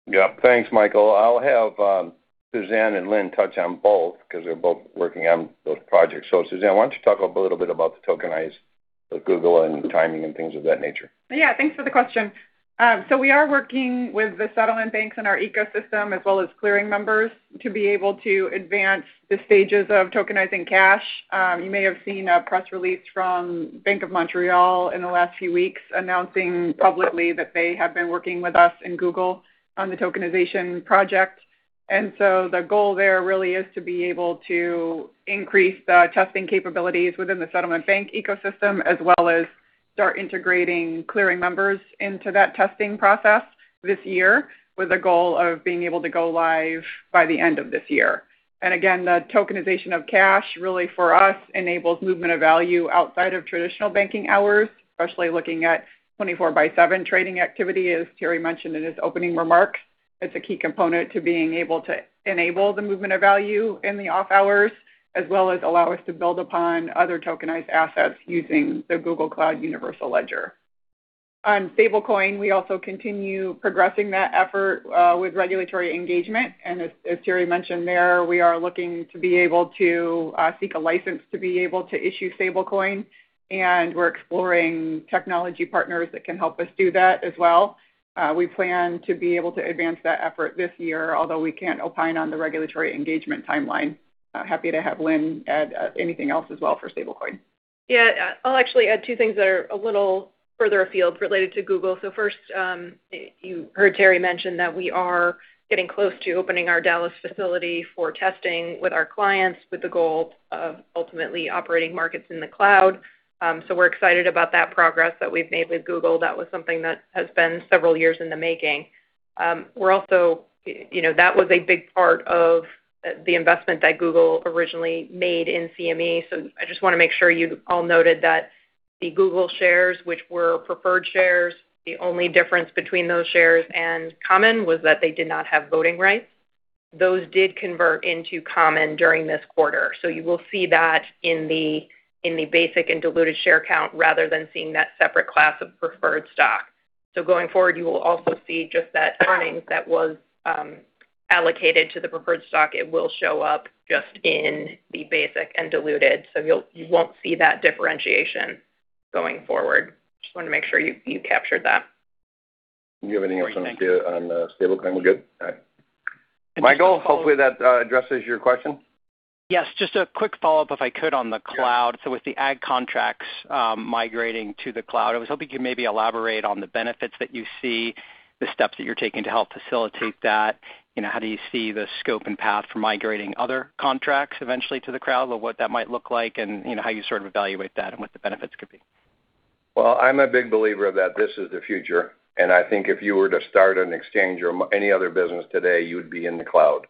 Yeah. Thanks, Michael. I'll have Suzanne and Lynne touch on both because they're both working on those projects. Suzanne, why don't you talk a little bit about the tokenization with Google and timing and things of that nature? Yeah, thanks for the question. We are working with the settlement banks in our ecosystem as well as clearing members to be able to advance the stages of tokenizing cash. You may have seen a press release from Bank of Montreal in the last few weeks announcing publicly that they have been working with us and Google on the tokenization project. The goal there really is to be able to increase the testing capabilities within the settlement bank ecosystem, as well as start integrating clearing members into that testing process this year with a goal of being able to go live by the end of this year. Again, the tokenization of cash really for us enables movement of value outside of traditional banking hours, especially looking at 24/7 trading activity, as Terry mentioned in his opening remarks. It's a key component to being able to enable the movement of value in the off-hours, as well as allow us to build upon other tokenized assets using the Google Cloud Universal Ledger. On stablecoin, we also continue progressing that effort with regulatory engagement, and as Terry mentioned there, we are looking to be able to seek a license to be able to issue stablecoin, and we're exploring technology partners that can help us do that as well. We plan to be able to advance that effort this year, although we can't opine on the regulatory engagement timeline. Happy to have Lynne add anything else as well for stablecoin. Yeah. I'll actually add two things that are a little further afield related to Google. First, you heard Terry mention that we are getting close to opening our Dallas facility for testing with our clients with the goal of ultimately operating markets in the cloud. We're excited about that progress that we've made with Google. That was something that has been several years in the making. That was a big part of the investment that Google originally made in CME. I just want to make sure you all noted that the Google shares, which were preferred shares, the only difference between those shares and common was that they did not have voting rights. Those did convert into common during this quarter. You will see that in the basic and diluted share count rather than seeing that separate class of preferred stock. Going forward, you will also see just that earnings that was allocated to the preferred stock. It will show up just in the basic and diluted. You won't see that differentiation going forward. Just wanted to make sure you captured that. Do you have anything else on stablecoin? We're good? All right. Michael, hopefully that addresses your question. Yes. Just a quick follow-up, if I could, on the cloud. With the ag contracts migrating to the cloud, I was hoping you could maybe elaborate on the benefits that you see, the steps that you're taking to help facilitate that. How do you see the scope and path for migrating other contracts eventually to the cloud? What that might look like, and how you sort of evaluate that and what the benefits could be. Well, I'm a big believer that this is the future, and I think if you were to start an exchange or any other business today, you would be in the cloud.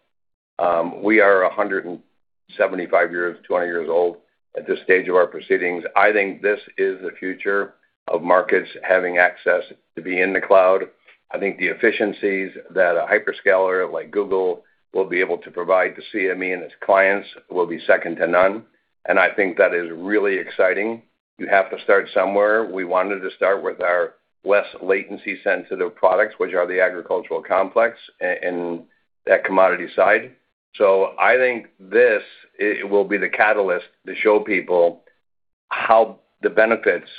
We are 175 years, 200 years old at this stage of our proceedings. I think this is the future of markets having access to be in the cloud. I think the efficiencies that a hyperscaler like Google will be able to provide to CME and its clients will be second to none, and I think that is really exciting. You have to start somewhere. We wanted to start with our less latency-sensitive products, which are the agricultural complex and that commodity side. I think this will be the catalyst to show people how the benefits of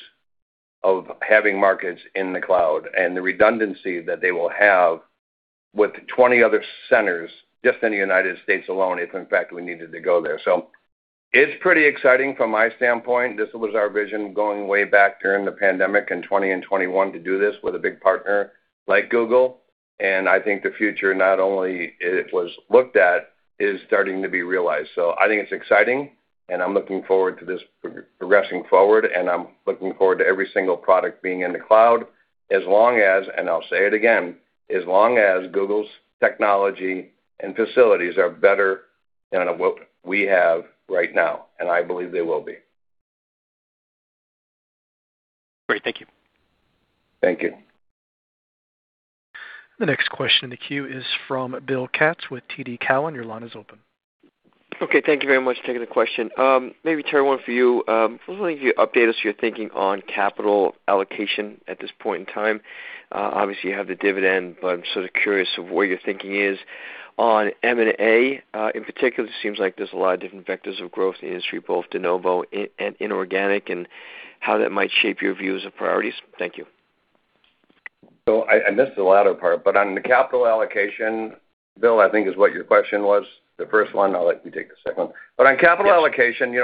having markets in the cloud and the redundancy that they will have with 20 other centers just in the United States alone, if in fact we needed to go there. It's pretty exciting from my standpoint. This was our vision going way back during the pandemic in 2020 and 2021 to do this with a big partner like Google. I think the future, not only it was looked at, is starting to be realized. I think it's exciting and I'm looking forward to this progressing forward, and I'm looking forward to every single product being in the cloud as long as, and I'll say it again, as long as Google's technology and facilities are better than what we have right now, and I believe they will be. Great. Thank you. Thank you. The next question in the queue is from Bill Katz with TD Cowen. Your line is open. Okay. Thank you very much, taking the question. Maybe Terry, one for you. I was wondering if you update us your thinking on capital allocation at this point in time. Obviously, you have the dividend, but I'm sort of curious of where your thinking is on M&A. In particular, it seems like there's a lot of different vectors of growth in the industry, both de novo and inorganic, and how that might shape your views of priorities. Thank you. I missed the latter part, but on the capital allocation, Bill, I think is what your question was, the first one. I'll let you take the second. On capital allocation,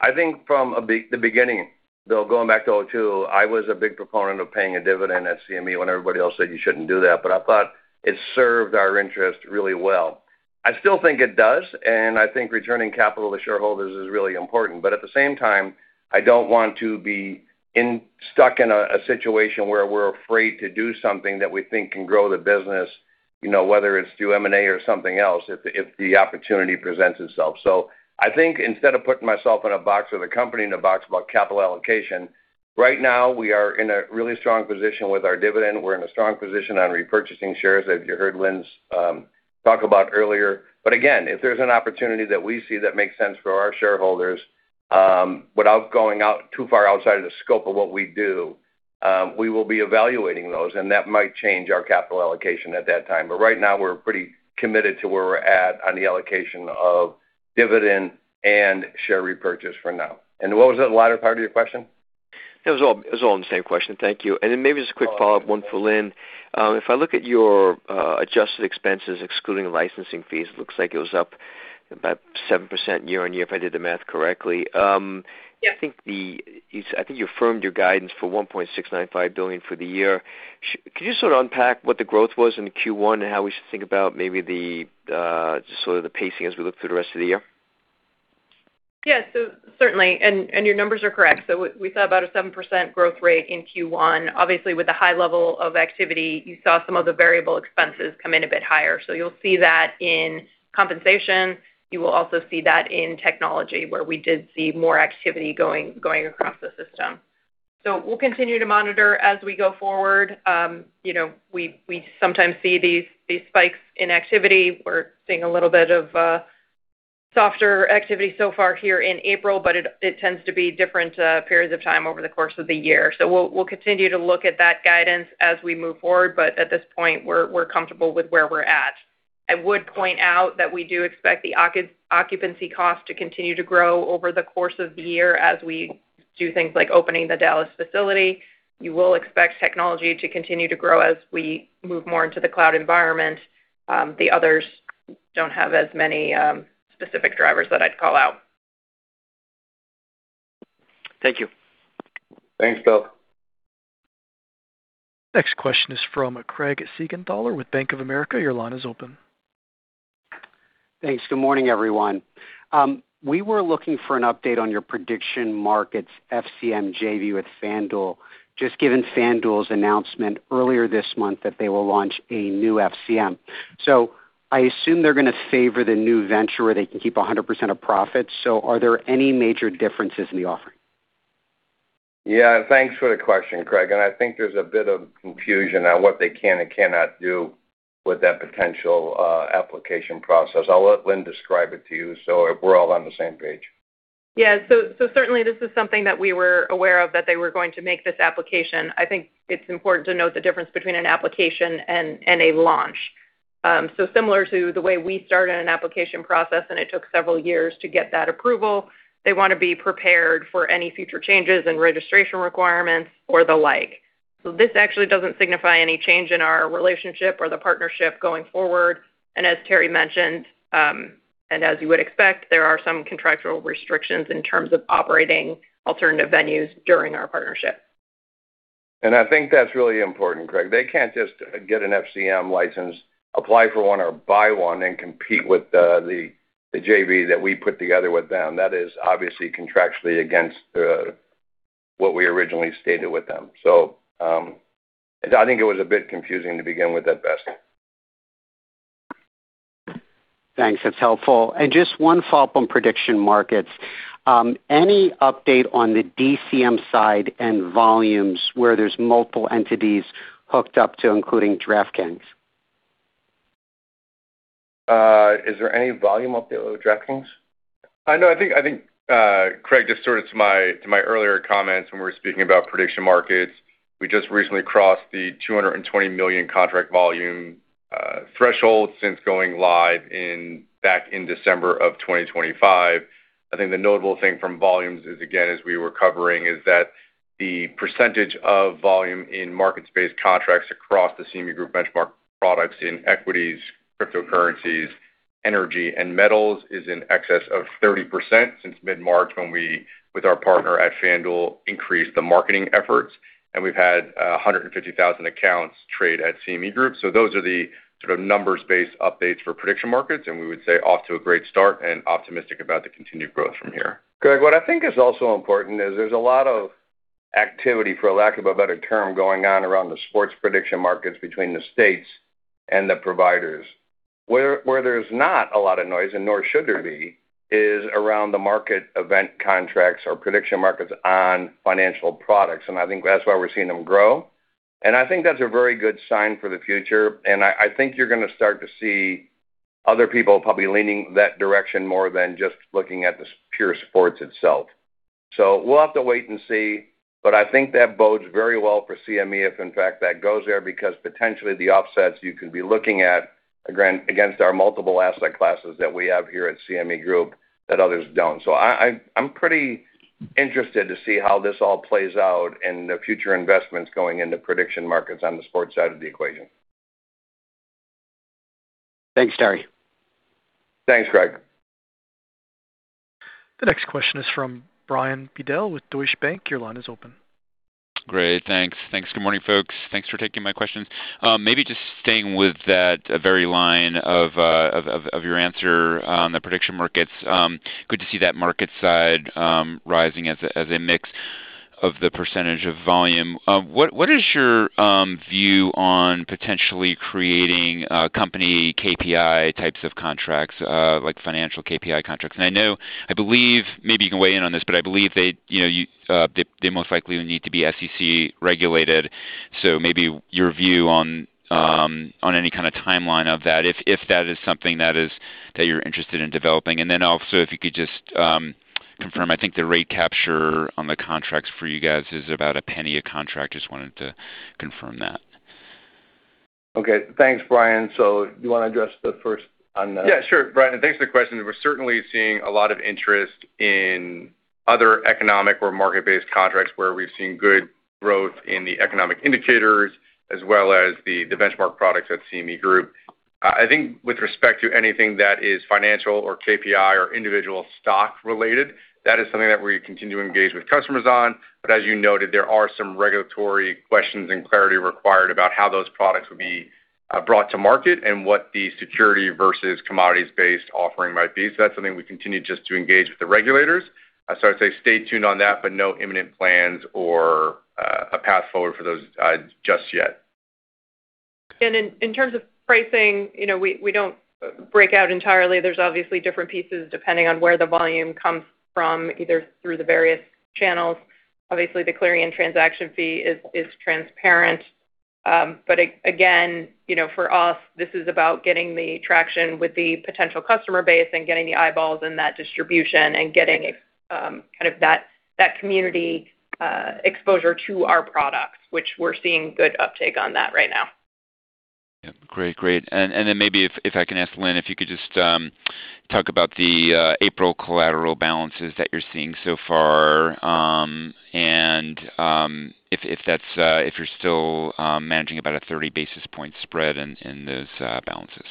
I think from the beginning, Bill, going back to 2002, I was a big proponent of paying a dividend at CME when everybody else said you shouldn't do that, but I thought it served our interest really well. I still think it does, and I think returning capital to shareholders is really important. At the same time, I don't want to be stuck in a situation where we're afraid to do something that we think can grow the business, whether it's through M&A or something else if the opportunity presents itself. I think instead of putting myself in a box with a company in a box about capital allocation, right now we are in a really strong position with our dividend. We're in a strong position on repurchasing shares, as you heard Lynne's talk about earlier. Again, if there's an opportunity that we see that makes sense for our shareholders, without going out too far outside of the scope of what we do, we will be evaluating those, and that might change our capital allocation at that time. Right now, we're pretty committed to where we're at on the allocation of dividend and share repurchase for now. What was that latter part of your question? It was all in the same question. Thank you. Maybe just a quick follow-up one for Lynne. If I look at your adjusted expenses, excluding licensing fees, it looks like it was up about 7% year-on-year if I did the math correctly. Yeah. I think you firmed your guidance for $1.695 billion for the year. Could you sort of unpack what the growth was in Q1 and how we should think about maybe the sort of the pacing as we look through the rest of the year? Yeah. Certainly, and your numbers are correct. We saw about a 7% growth rate in Q1. Obviously, with the high level of activity, you saw some of the variable expenses come in a bit higher. You'll see that in compensation, you will also see that in technology, where we did see more activity going across the system. We'll continue to monitor as we go forward. We sometimes see these spikes in activity. We're seeing a little bit of softer activity so far here in April, but it tends to be different periods of time over the course of the year. We'll continue to look at that guidance as we move forward, but at this point, we're comfortable with where we're at. I would point out that we do expect the occupancy cost to continue to grow over the course of the year as we do things like opening the Dallas facility. You will expect technology to continue to grow as we move more into the cloud environment. The others don't have as many specific drivers that I'd call out. Thank you. Thanks, Bill. Next question is from Craig Siegenthaler with Bank of America. Your line is open. Thanks. Good morning, everyone. We were looking for an update on your Prediction Markets, FCM JV with FanDuel, just given FanDuel's announcement earlier this month that they will launch a new FCM. I assume they're going to favor the new venture where they can keep 100% of profits. Are there any major differences in the offering? Yeah, thanks for the question, Craig. I think there's a bit of confusion on what they can and cannot do with that potential application process. I'll let Lynne describe it to you so we're all on the same page. Yeah. Certainly, this is something that we were aware of, that they were going to make this application. I think it's important to note the difference between an application and a launch. Similar to the way we started an application process, and it took several years to get that approval, they want to be prepared for any future changes in registration requirements or the like. This actually doesn't signify any change in our relationship or the partnership going forward. As Terry mentioned, and as you would expect, there are some contractual restrictions in terms of operating alternative venues during our partnership. I think that's really important, Craig. They can't just get an FCM license, apply for one, or buy one and compete with the JV that we put together with them. That is obviously contractually against what we originally stated with them. I think it was a bit confusing to begin with at best. Thanks. That's helpful. Just one follow-up on Prediction Markets. Any update on the DCM side and volumes where there's multiple entities hooked up to, including DraftKings? Is there any volume update with DraftKings? No, I think, Craig, just sort of to my earlier comments when we were speaking about Prediction Markets, we just recently crossed the 220 million contract volume threshold since going live back in December of 2025. I think the notable thing from volumes is, again, as we were covering, is that the percentage of volume in markets-based contracts across the CME Group benchmark products in equities, cryptocurrencies, energy, and metals is in excess of 30% since mid-March when we, with our partner at FanDuel, increased the marketing efforts. We've had 150,000 accounts trade at CME Group. Those are the sort of numbers-based updates for Prediction Markets, and we would say off to a great start and optimistic about the continued growth from here. Craig, what I think is also important is there's a lot of activity, for lack of a better term, going on around the sports Prediction Markets between the states and the providers. Where there's not a lot of noise, and nor should there be, is around the market event contracts or Prediction Markets on financial products. I think that's why we're seeing them grow, and I think that's a very good sign for the future, and I think you're going to start to see other people probably leaning that direction more than just looking at the pure sports itself. We'll have to wait and see, but I think that bodes very well for CME, if in fact that goes there, because potentially the offsets you could be looking at against our multiple asset classes that we have here at CME Group that others don't. I'm pretty interested to see how this all plays out in the future investments going into Prediction Markets on the sports side of the equation. Thanks, Terry. Thanks, Craig. The next question is from Brian Bedell with Deutsche Bank. Your line is open. Great. Thanks. Good morning, folks. Thanks for taking my questions. Maybe just staying with that very line of your answer on the Prediction Markets. Good to see that market side rising as a mix of the percentage of volume. What is your view on potentially creating company KPI types of contracts, like financial KPI contracts? I believe, maybe you can weigh in on this, but I believe they most likely would need to be SEC regulated. Maybe your view on any kind of timeline of that, if that is something that you're interested in developing, and then also if you could just confirm, I think the rate capture on the contracts for you guys is about a penny a contract. Just wanted to confirm that. Okay. Thanks, Brian. Do you want to address the first on that? Yeah, sure. Brian, thanks for the question. We're certainly seeing a lot of interest in other economic or market-based contracts where we've seen good growth in the economic indicators, as well as the benchmark products at CME Group. I think with respect to anything that is financial or KPI or individual stock related, that is something that we continue to engage with customers on. As you noted, there are some regulatory questions and clarity required about how those products would be brought to market and what the security versus commodities-based offering might be. That's something we continue just to engage with the regulators. I'd say stay tuned on that, but no imminent plans or a path forward for those just yet. In terms of pricing, we don't break out entirely. There's obviously different pieces depending on where the volume comes from, either through the various channels. Obviously, the clearing and transaction fee is transparent. Again, for us, this is about getting the traction with the potential customer base and getting the eyeballs and that distribution and getting that community exposure to our products, which we're seeing good uptake on that right now. Yep. Great. Maybe if I can ask Lynne, if you could just talk about the April collateral balances that you're seeing so far and if you're still managing about a 30-basis-point spread in those balances.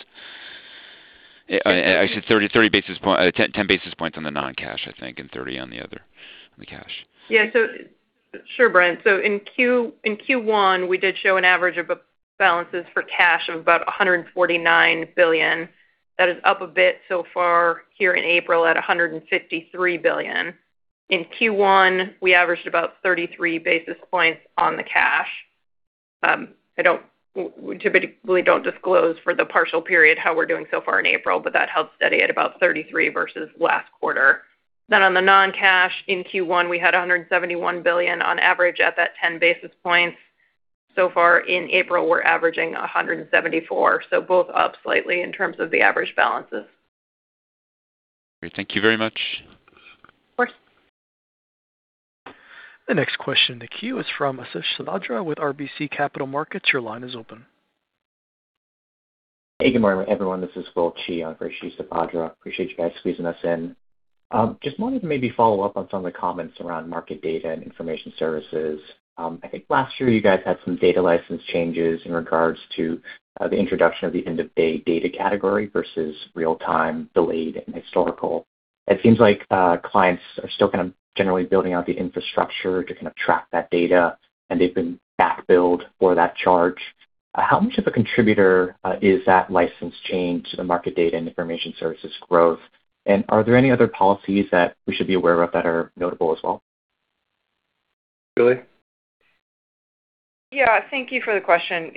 I said 10 basis points on the non-cash, I think, and 30 basis points on the other, on the cash. Yeah. Sure, Brian. In Q1, we did show an average of balances for cash of about $149 billion. That is up a bit so far here in April at $153 billion. In Q1, we averaged about 33 basis points on the cash. We typically don't disclose for the partial period how we're doing so far in April, but that held steady at about 33 basis points versus last quarter. On the non-cash, in Q1, we had $171 billion on average at that 10 basis points. So far in April, we're averaging $174 billion. Both up slightly in terms of the average balances. Great. Thank you very much. Of course. The next question in the queue is from Ashish Sabadra with RBC Capital Markets. Your line is open. Hey, good morning, everyone. This is Will Qi on for Ashish Sabadra. Appreciate you guys squeezing us in. Just wanted to maybe follow up on some of the comments around market data and information services. I think last year you guys had some data license changes in regards to the introduction of the end-of-day data category versus real-time, delayed, and historical. It seems like clients are still kind of generally building out the infrastructure to kind of track that data, and they've been back-billed for that charge. How much of a contributor is that license change to the market data and information services growth? And are there any other policies that we should be aware of that are notable as well? Julie? Yeah, thank you for the question.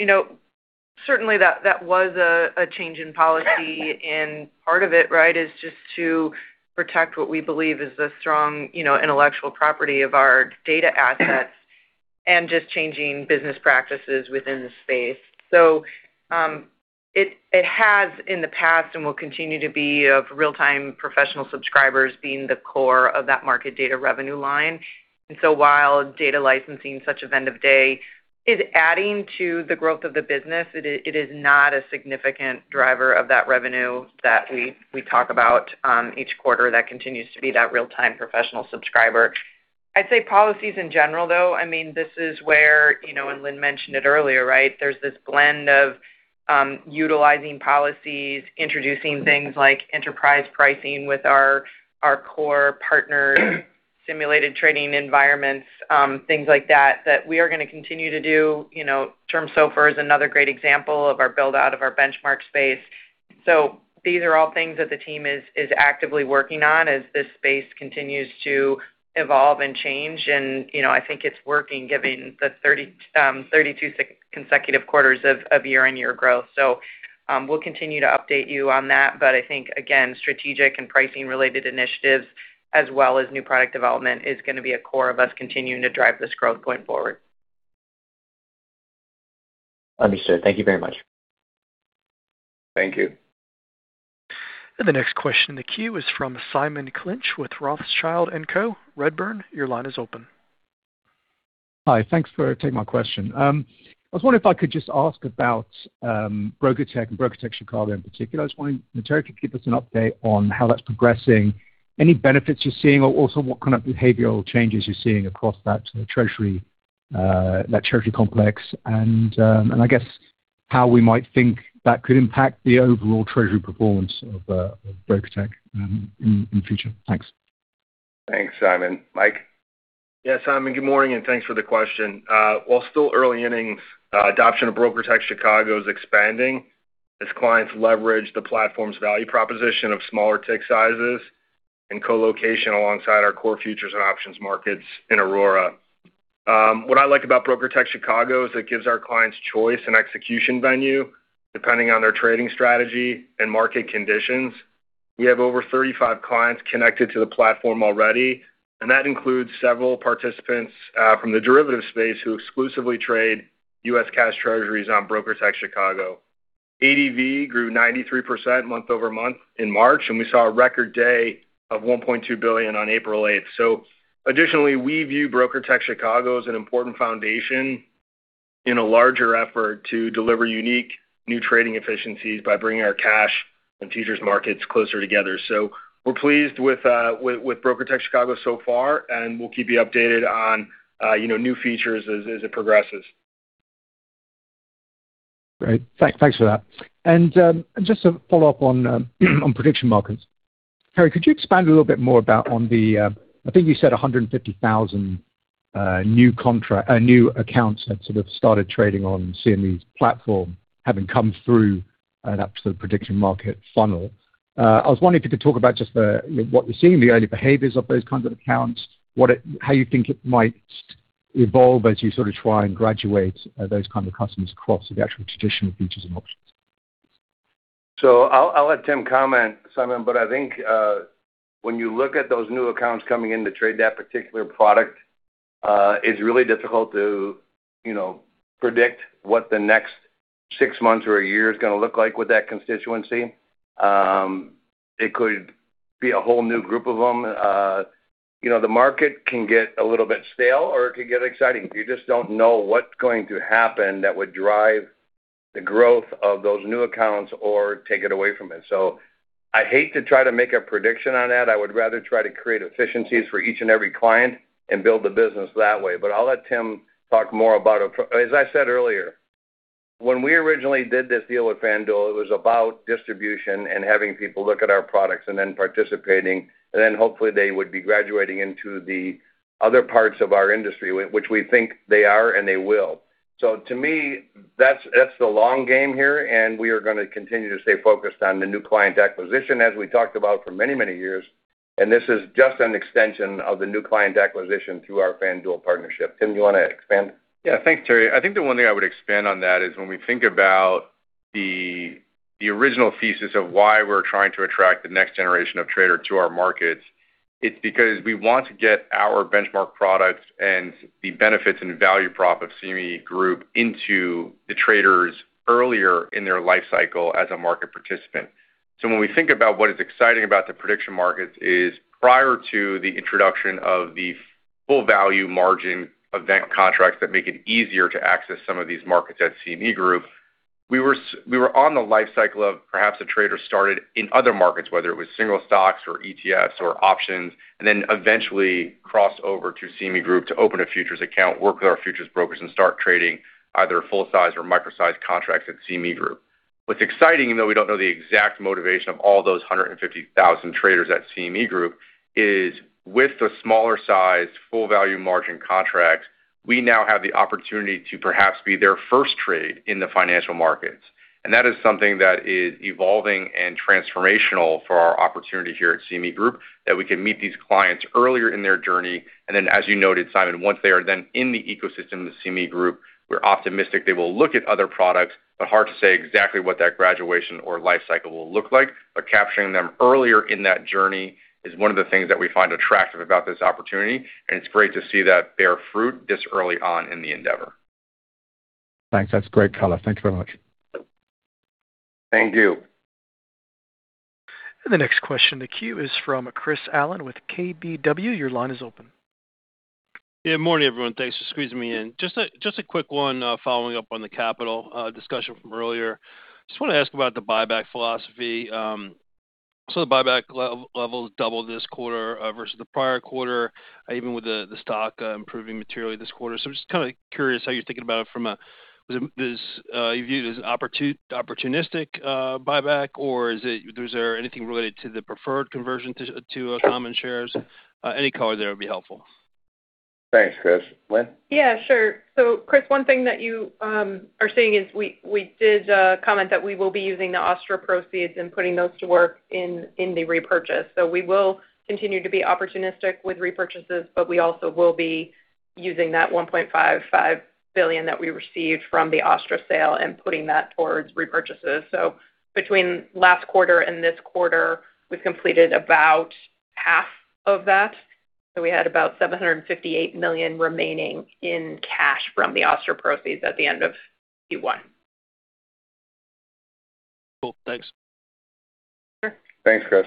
Certainly, that was a change in policy, and part of it is just to protect what we believe is the strong intellectual property of our data assets and just changing business practices within the space. It has in the past and will continue to be of real-time professional subscribers being the core of that market data revenue line. While data licensing such as end of day is adding to the growth of the business, it is not a significant driver of that revenue that we talk about each quarter that continues to be that real-time professional subscriber. I'd say policies in general, though, this is where, and Lynne mentioned it earlier, there's this blend of utilizing policies, introducing things like enterprise pricing with our core partner, simulated trading environments, things like that we are going to continue to do. Term SOFR is another great example of our build-out of our benchmark space. These are all things that the team is actively working on as this space continues to evolve and change. I think it's working given the 32 consecutive quarters of year-on-year growth. We'll continue to update you on that. I think, again, strategic and pricing-related initiatives, as well as new product development, is going to be a core of us continuing to drive this growth going forward. Understood. Thank you very much. Thank you. The next question in the queue is from Simon Clinch with Rothschild & Co Redburn, your line is open. Hi. Thanks for taking my question. I was wondering if I could just ask about BrokerTec and BrokerTec Chicago in particular. I was wondering if Terry could give us an update on how that's progressing, any benefits you're seeing, or also what kind of behavioral changes you're seeing across that treasury complex, and I guess how we might think that could impact the overall treasury performance of BrokerTec in the future. Thanks. Thanks, Simon. Mike? Yes, Simon, good morning, and thanks for the question. While still early innings, adoption of BrokerTec Chicago is expanding as clients leverage the platform's value proposition of smaller tick sizes and co-location alongside our core futures and options markets in Aurora. What I like about BrokerTec Chicago is it gives our clients choice and execution venue, depending on their trading strategy and market conditions. We have over 35 clients connected to the platform already, and that includes several participants from the derivatives space who exclusively trade U.S. cash Treasuries on BrokerTec Chicago. ADV grew 93% month-over-month in March, and we saw a record day of $1.2 billion on April 8. Additionally, we view BrokerTec Chicago as an important foundation in a larger effort to deliver unique new trading efficiencies by bringing our cash and Treasuries markets closer together. We're pleased with BrokerTec Chicago so far, and we'll keep you updated on new features as it progresses. Great. Thanks for that. Just to follow up on Prediction Markets. Terry, could you expand a little bit more about on the, I think you said 150,000 new accounts that sort of started trading on CME's platform, having come through and up to the prediction market funnel. I was wondering if you could talk about just what you're seeing, the early behaviors of those kinds of accounts, how you think it might evolve as you sort of try and graduate those kind of customers across the actual traditional futures and options? I'll let Tim comment, Simon, but I think when you look at those new accounts coming in to trade that particular product, it's really difficult to predict what the next six months or a year is going to look like with that constituency. It could be a whole new group of them. The market can get a little bit stale or it could get exciting. You just don't know what's going to happen that would drive the growth of those new accounts or take it away from it. I hate to try to make a prediction on that. I would rather try to create efficiencies for each and every client and build the business that way. I'll let Tim talk more about it. As I said earlier, when we originally did this deal with FanDuel, it was about distribution and having people look at our products and then participating, and then hopefully they would be graduating into the other parts of our industry, which we think they are, and they will. To me, that's the long game here, and we are going to continue to stay focused on the new client acquisition, as we talked about for many, many years. This is just an extension of the new client acquisition through our FanDuel partnership. Tim, do you want to expand? Yeah. Thanks, Terry. I think the one thing I would expand on that is when we think about the original thesis of why we're trying to attract the next generation of trader to our markets, it's because we want to get our benchmark products and the benefits and value prop of CME Group into the traders earlier in their life cycle as a market participant. When we think about what is exciting about the Prediction Markets is prior to the introduction of the full value margin event contracts that make it easier to access some of these markets at CME Group, we were on the life cycle of perhaps a trader started in other markets, whether it was single stocks or ETFs or options, and then eventually crossed over to CME Group to open a futures account, work with our futures brokers and start trading either full-size or Micro-size contracts at CME Group. What's exciting, even though we don't know the exact motivation of all those 150,000 traders at CME Group, is with the smaller size, full value margin contracts, we now have the opportunity to perhaps be their first trade in the financial markets. That is something that is evolving and transformational for our opportunity here at CME Group, that we can meet these clients earlier in their journey. Then, as you noted, Simon, once they are then in the ecosystem of CME Group, we're optimistic they will look at other products, but hard to say exactly what that graduation or life cycle will look like. Capturing them earlier in that journey is one of the things that we find attractive about this opportunity, and it's great to see that bear fruit this early on in the endeavor. Thanks. That's great color. Thank you very much. Thank you. The next question in the queue is from Chris Allen with KBW. Your line is open. Yeah. Morning, everyone. Thanks for squeezing me in. Just a quick one following up on the capital discussion from earlier. Just want to ask about the buyback philosophy. The buyback levels doubled this quarter versus the prior quarter, even with the stock improving materially this quarter. I'm just kind of curious how you're thinking about it. Do you view it as opportunistic buyback, or is there anything related to the preferred conversion to common shares? Any color there would be helpful. Thanks, Chris. Lynne? Yeah, sure. Chris, one thing that you are seeing is we did comment that we will be using the OSTRRA proceeds and putting those to work in the repurchase. We will continue to be opportunistic with repurchases, but we also will be using that $1.55 billion that we received from the OSTRRA sale and putting that towards repurchases. Between last quarter and this quarter, we've completed about half of that. We had about $758 million remaining in cash from the OSTRRA proceeds at the end of Q1. Cool. Thanks. Sure. Thanks, Chris.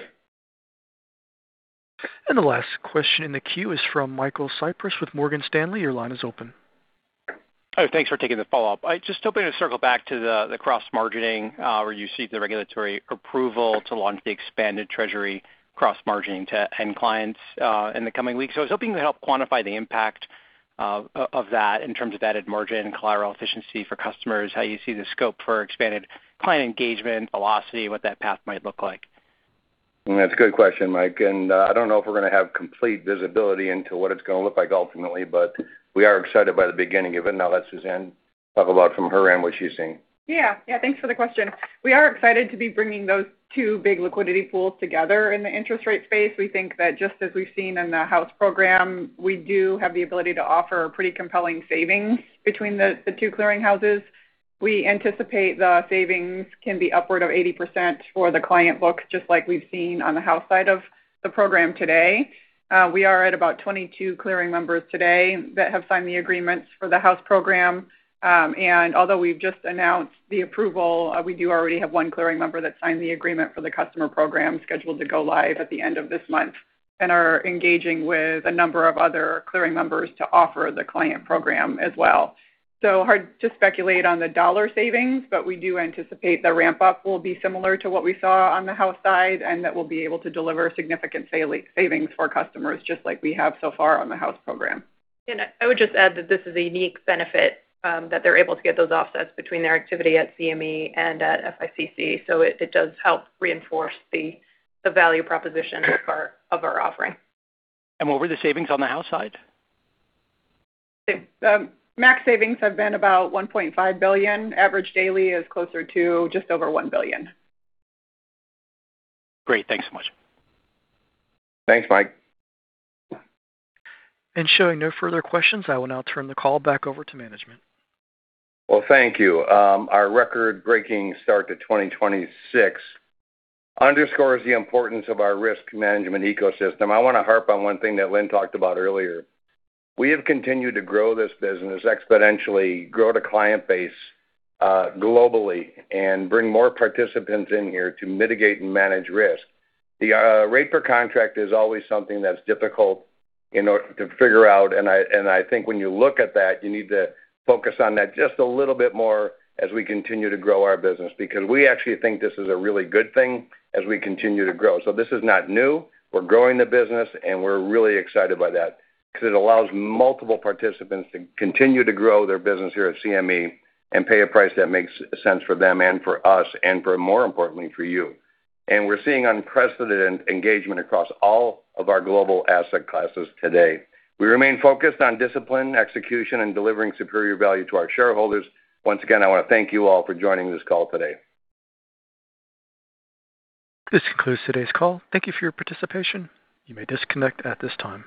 The last question in the queue is from Michael Cyprys with Morgan Stanley. Your line is open. Oh, thanks for taking the follow-up. I'm just hoping to circle back to the cross-margining, where you're seeking the regulatory approval to launch the expanded Treasury cross-margining to end clients in the coming weeks. I was hoping to help quantify the impact of that in terms of added margin, collateral efficiency for customers, how you see the scope for expanded client engagement, velocity, what that path might look like. That's a good question, Mike, and I don't know if we're going to have complete visibility into what it's going to look like ultimately, but we are excited by the beginning of it. I'll let Suzanne talk about from her end what she's seeing. Yeah. Thanks for the question. We are excited to be bringing those two big liquidity pools together in the interest rate space. We think that just as we've seen in the house program, we do have the ability to offer pretty compelling savings between the two clearing houses. We anticipate the savings can be upward of 80% for the client books, just like we've seen on the house side of the program today. We are at about 22 clearing members today that have signed the agreements for the house program. Although we've just announced the approval, we do already have one clearing member that signed the agreement for the customer program scheduled to go live at the end of this month, and are engaging with a number of other clearing members to offer the client program as well. Hard to speculate on the dollar savings, but we do anticipate the ramp-up will be similar to what we saw on the house side and that we'll be able to deliver significant savings for customers, just like we have so far on the house program. I would just add that this is a unique benefit, that they're able to get those offsets between their activity at CME and at FICC. It does help reinforce the value proposition of our offering. What were the savings on the house side? Max savings have been about $1.5 billion. Average daily is closer to just over $1 billion. Great. Thanks so much. Thanks, Mike. Showing no further questions, I will now turn the call back over to management. Well, thank you. Our record-breaking start to 2026 underscores the importance of our risk management ecosystem. I want to harp on one thing that Lynne talked about earlier. We have continued to grow this business exponentially, grow the client base globally, and bring more participants in here to mitigate and manage risk. The rate per contract is always something that's difficult to figure out, and I think when you look at that, you need to focus on that just a little bit more as we continue to grow our business, because we actually think this is a really good thing as we continue to grow. This is not new. We're growing the business and we're really excited by that because it allows multiple participants to continue to grow their business here at CME and pay a price that makes sense for them and for us and for, more importantly, for you. We're seeing unprecedented engagement across all of our global asset classes today. We remain focused on discipline, execution, and delivering superior value to our shareholders. Once again, I want to thank you all for joining this call today. This concludes today's call. Thank you for your participation. You may disconnect at this time.